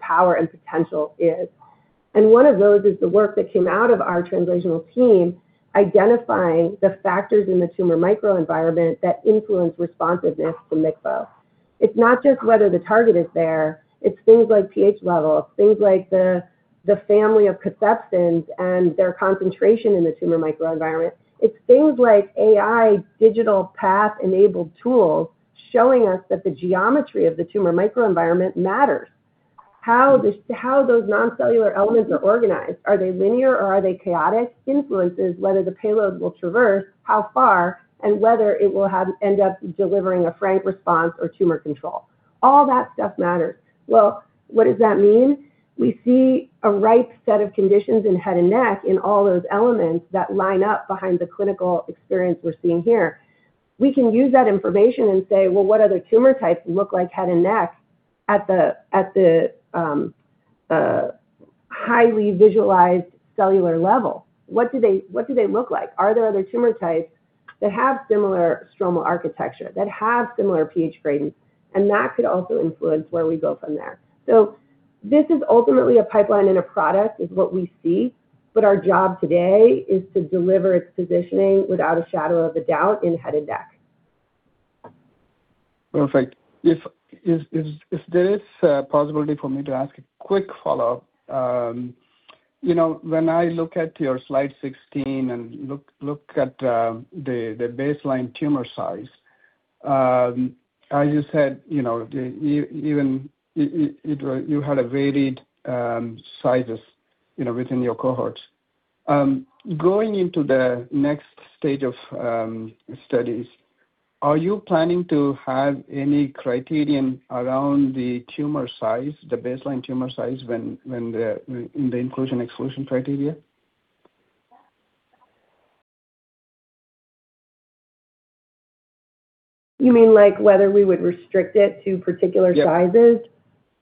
power and potential is. One of those is the work that came out of our translational team, identifying the factors in the tumor microenvironment that influence responsiveness to MCVO. It's not just whether the target is there. It's things like pH levels, things like the family of cathepsins and their concentration in the tumor microenvironment. It's things like AI, digital pathology-enabled tools showing us that the geometry of the tumor microenvironment matters. How those non-cellular elements are organized? Are they linear or are they chaotic? Influences whether the payload will traverse how far and whether it will end up delivering a frank response or tumor control. All that stuff matters. What does that mean? We see a ripe set of conditions in head and neck in all those elements that line up behind the clinical experience we're seeing here. We can use that information and say, "Well, what other tumor types look like head and neck at the highly visualized cellular level? What do they look like? Are there other tumor types that have similar stromal architecture, that have similar PH gradients? That could also influence where we go from there. This is ultimately a pipeline and a product is what we see. Our job today is to deliver its positioning without a shadow of a doubt in head and neck. Perfect. Is there a possibility for me to ask a quick follow-up? When I look at your slide 16 and look at the baseline tumor size, as you said, even you had a varied sizes within your cohorts. Going into the next stage of studies, are you planning to have any criterion around the tumor size, the baseline tumor size in the inclusion-exclusion criteria? You mean whether we would restrict it to particular sizes?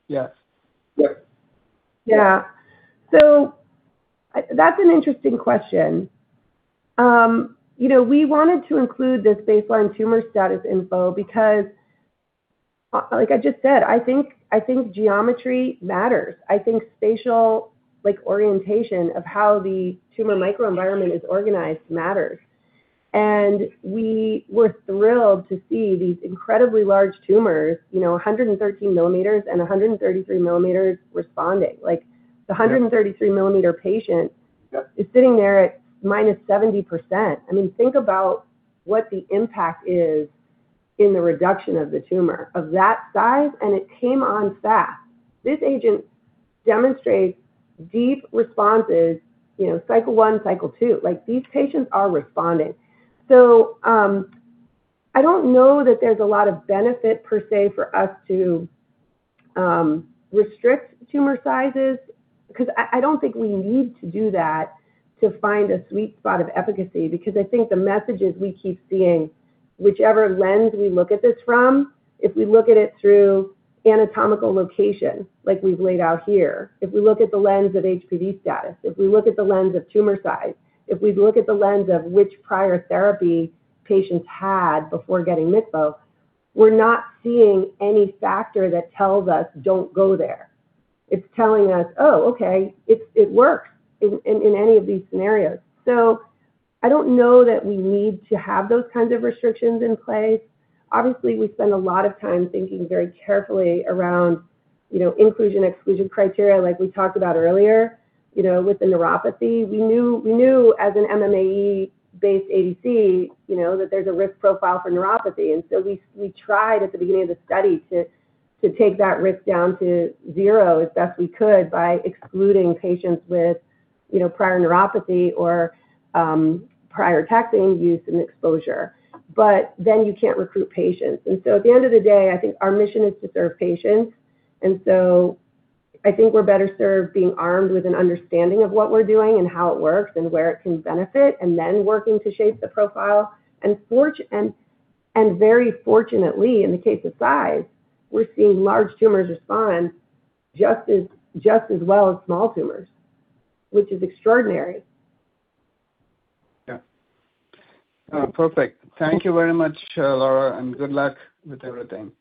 Yes. Yes. Yeah. So that's an interesting question. We wanted to include this baseline tumor status info because, like I just said, I think geometry matters. I think spatial orientation of how the tumor microenvironment is organized matters. And we were thrilled to see these incredibly large tumors, 113 millimeters and 133 millimeters responding. The 133-millimeter patient is sitting there at minus 70%. I mean, think about what the impact is in the reduction of the tumor of that size, and it came on fast. This agent demonstrates deep responses, cycle one, cycle two. These patients are responding. So I don't know that there's a lot of benefit per se for us to restrict tumor sizes because I don't think we need to do that to find a sweet spot of efficacy because I think the messages we keep seeing, whichever lens we look at this from, if we look at it through anatomical location like we've laid out here, if we look at the lens of HPV status, if we look at the lens of tumor size, if we look at the lens of which prior therapy patients had before getting MCVO, we're not seeing any factor that tells us, "Don't go there." It's telling us, "Oh, okay. It works in any of these scenarios." So I don't know that we need to have those kinds of restrictions in place. Obviously, we spend a lot of time thinking very carefully around inclusion-exclusion criteria like we talked about earlier with the neuropathy. We knew as an MMAE-based ADC that there's a risk profile for neuropathy. And so we tried at the beginning of the study to take that risk down to zero as best we could by excluding patients with prior neuropathy or prior taxane use and exposure. But then you can't recruit patients. And so at the end of the day, I think our mission is to serve patients. And so I think we're better served being armed with an understanding of what we're doing and how it works and where it can benefit and then working to shape the profile. And very fortunately, in the case of size, we're seeing large tumors respond just as well as small tumors, which is extraordinary. Yeah. Perfect. Thank you very much, Lara, and good luck with everything.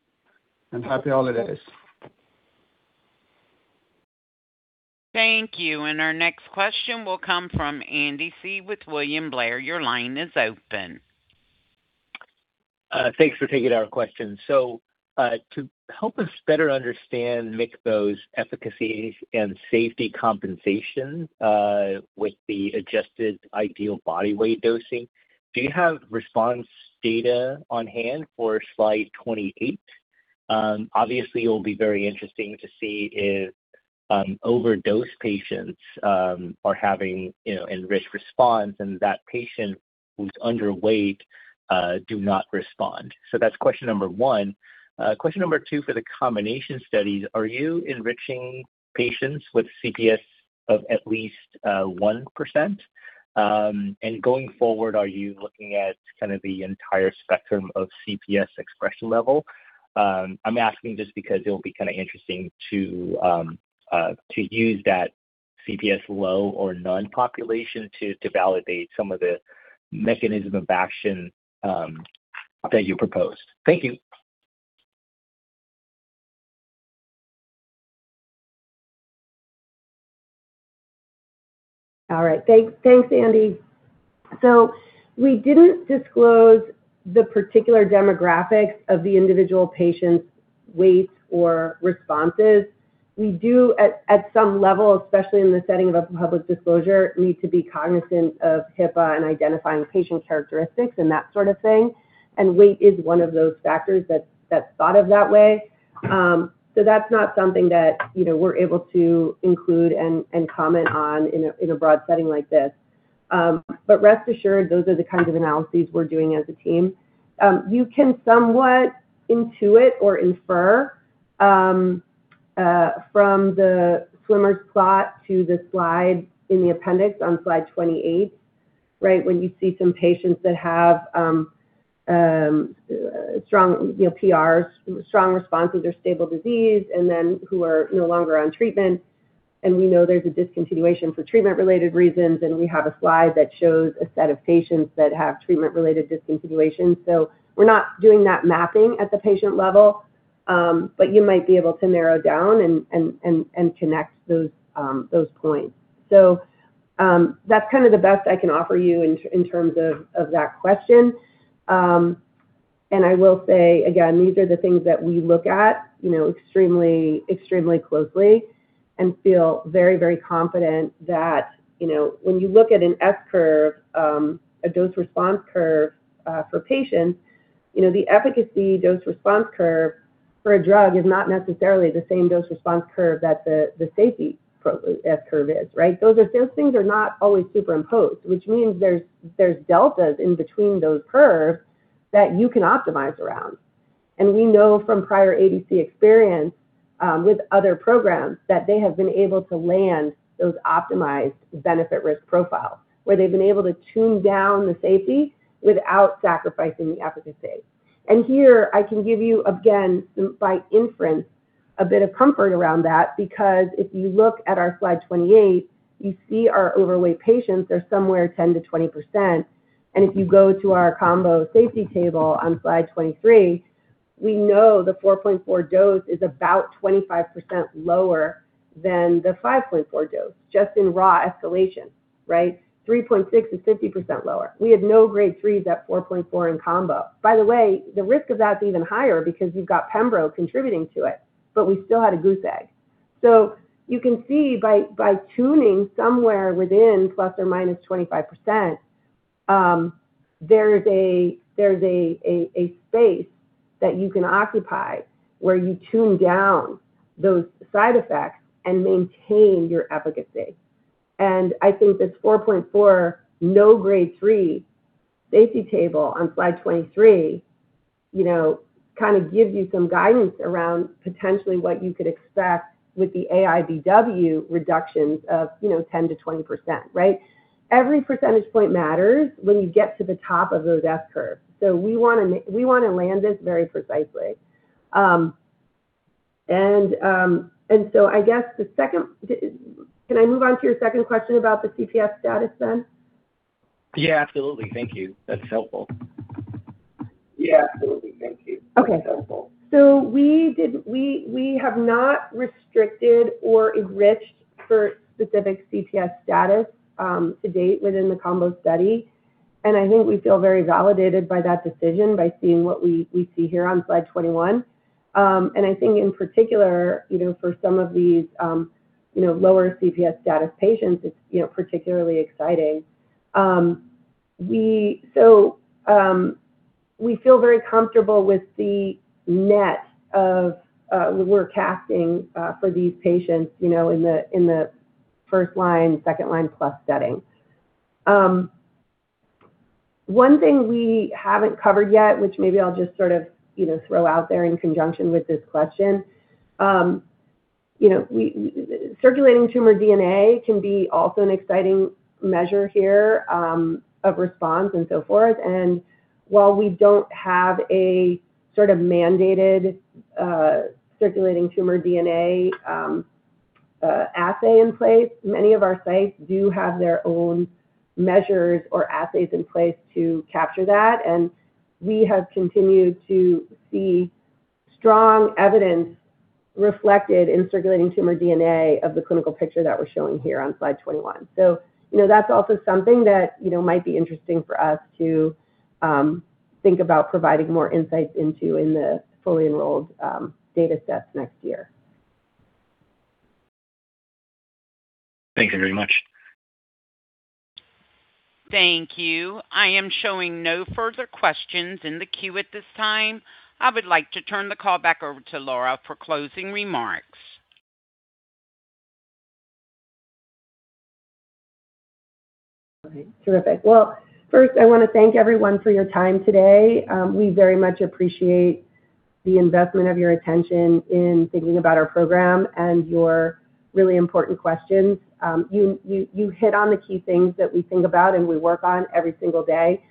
And happy holidays. Thank you. And our next question will come from Andy Hsieh with William Blair. Your line is open. Thanks for taking our question. So to help us better understand MCVO's efficacy and safety comparison with the Adjusted Ideal Body Weight dosing, do you have response data on hand for slide 28? Obviously, it will be very interesting to see if overweight patients are having enriched response and that patient who's underweight do not respond. So that's question number one. Question number two for the combination studies, are you enriching patients with CPS of at least 1%? And going forward, are you looking at kind of the entire spectrum of CPS expression level? I'm asking just because it'll be kind of interesting to use that CPS low or non-population to validate some of the mechanism of action that you proposed. Thank you. All right. Thanks, Andy. So we didn't disclose the particular demographics of the individual patient's weights or responses. We do, at some level, especially in the setting of a public disclosure, need to be cognizant of HIPAA and identifying patient characteristics and that sort of thing. And weight is one of those factors that's thought of that way. So that's not something that we're able to include and comment on in a broad setting like this. But rest assured, those are the kinds of analyses we're doing as a team. You can somewhat intuit or infer from the swimmer's plot to the slide in the appendix on slide 28, right, when you see some patients that have strong PRs, strong responses, or stable disease, and then who are no longer on treatment, and we know there's a discontinuation for treatment-related reasons, and we have a slide that shows a set of patients that have treatment-related discontinuation, so we're not doing that mapping at the patient level, but you might be able to narrow down and connect those points, so that's kind of the best I can offer you in terms of that question. And I will say, again, these are the things that we look at extremely closely and feel very, very confident that when you look at an S curve, a dose response curve for patients, the efficacy dose response curve for a drug is not necessarily the same dose response curve that the safety S curve is, right? Those things are not always superimposed, which means there's deltas in between those curves that you can optimize around. And we know from prior ADC experience with other programs that they have been able to land those optimized benefit-risk profiles where they've been able to tune down the safety without sacrificing the efficacy. And here, I can give you, again, by inference, a bit of comfort around that because if you look at our slide 28, you see our overweight patients, they're somewhere 10%-20%. If you go to our combo safety table on slide 23, we know the 4.4 dose is about 25% lower than the 5.4 dose just in raw escalation, right? 3.6 is 50% lower. We had no Grade 3s at 4.4 in combo. By the way, the risk of that's even higher because you've got Pembro contributing to it, but we still had a goose egg. You can see by tuning somewhere within plus or minus 25%, there's a space that you can occupy where you tune down those side effects and maintain your efficacy. I think this 4.4 no Grade 3 safety table on slide 23 kind of gives you some guidance around potentially what you could expect with the AIBW reductions of 10%-20%, right? Every percentage point matters when you get to the top of those S curves. So we want to land this very precisely. And so I guess, second, can I move on to your second question about the CPS status then? Yeah, absolutely. Thank you. That's helpful. Okay. So we have not restricted or enriched for specific CPS status to date within the combo study. And I think we feel very validated by that decision by seeing what we see here on slide 21. And I think in particular for some of these lower CPS status patients, it's particularly exciting. So we feel very comfortable with the net we're casting for these patients in the first line, second line plus setting. One thing we haven't covered yet, which maybe I'll just sort of throw out there in conjunction with this question, circulating tumor DNA can be also an exciting measure here of response and so forth. While we don't have a sort of mandated circulating tumor DNA assay in place, many of our sites do have their own measures or assays in place to capture that. We have continued to see strong evidence reflected in circulating tumor DNA of the clinical picture that we're showing here on slide 21. That's also something that might be interesting for us to think about providing more insights into in the fully enrolled data sets next year. Thank you very much. Thank you. I am showing no further questions in the queue at this time. I would like to turn the call back over to Lara for closing remarks. All right. Terrific. First, I want to thank everyone for your time today. We very much appreciate the investment of your attention in thinking about our program and your really important questions. You hit on the key things that we think about and we work on every single day.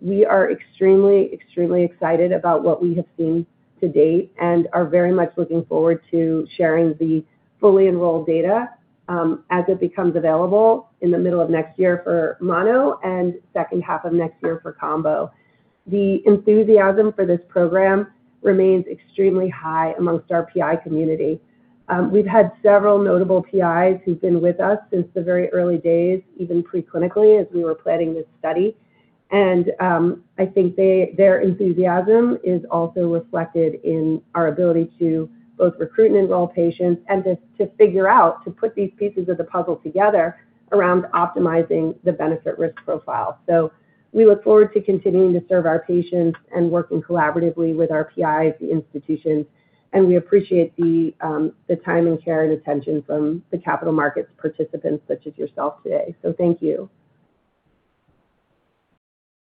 We are extremely, extremely excited about what we have seen to date and are very much looking forward to sharing the fully enrolled data as it becomes available in the middle of next year for mono and second half of next year for combo. The enthusiasm for this program remains extremely high amongst our PI community. We've had several notable PIs who've been with us since the very early days, even preclinically as we were planning this study. And I think their enthusiasm is also reflected in our ability to both recruit and enroll patients and to figure out, to put these pieces of the puzzle together around optimizing the benefit-risk profile. So we look forward to continuing to serve our patients and working collaboratively with our PIs, the institutions. We appreciate the time and care and attention from the capital markets participants such as yourself today. Thank you.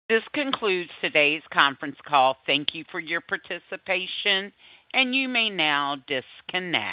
This concludes today's conference call. Thank you for your participation, and you may now disconnect.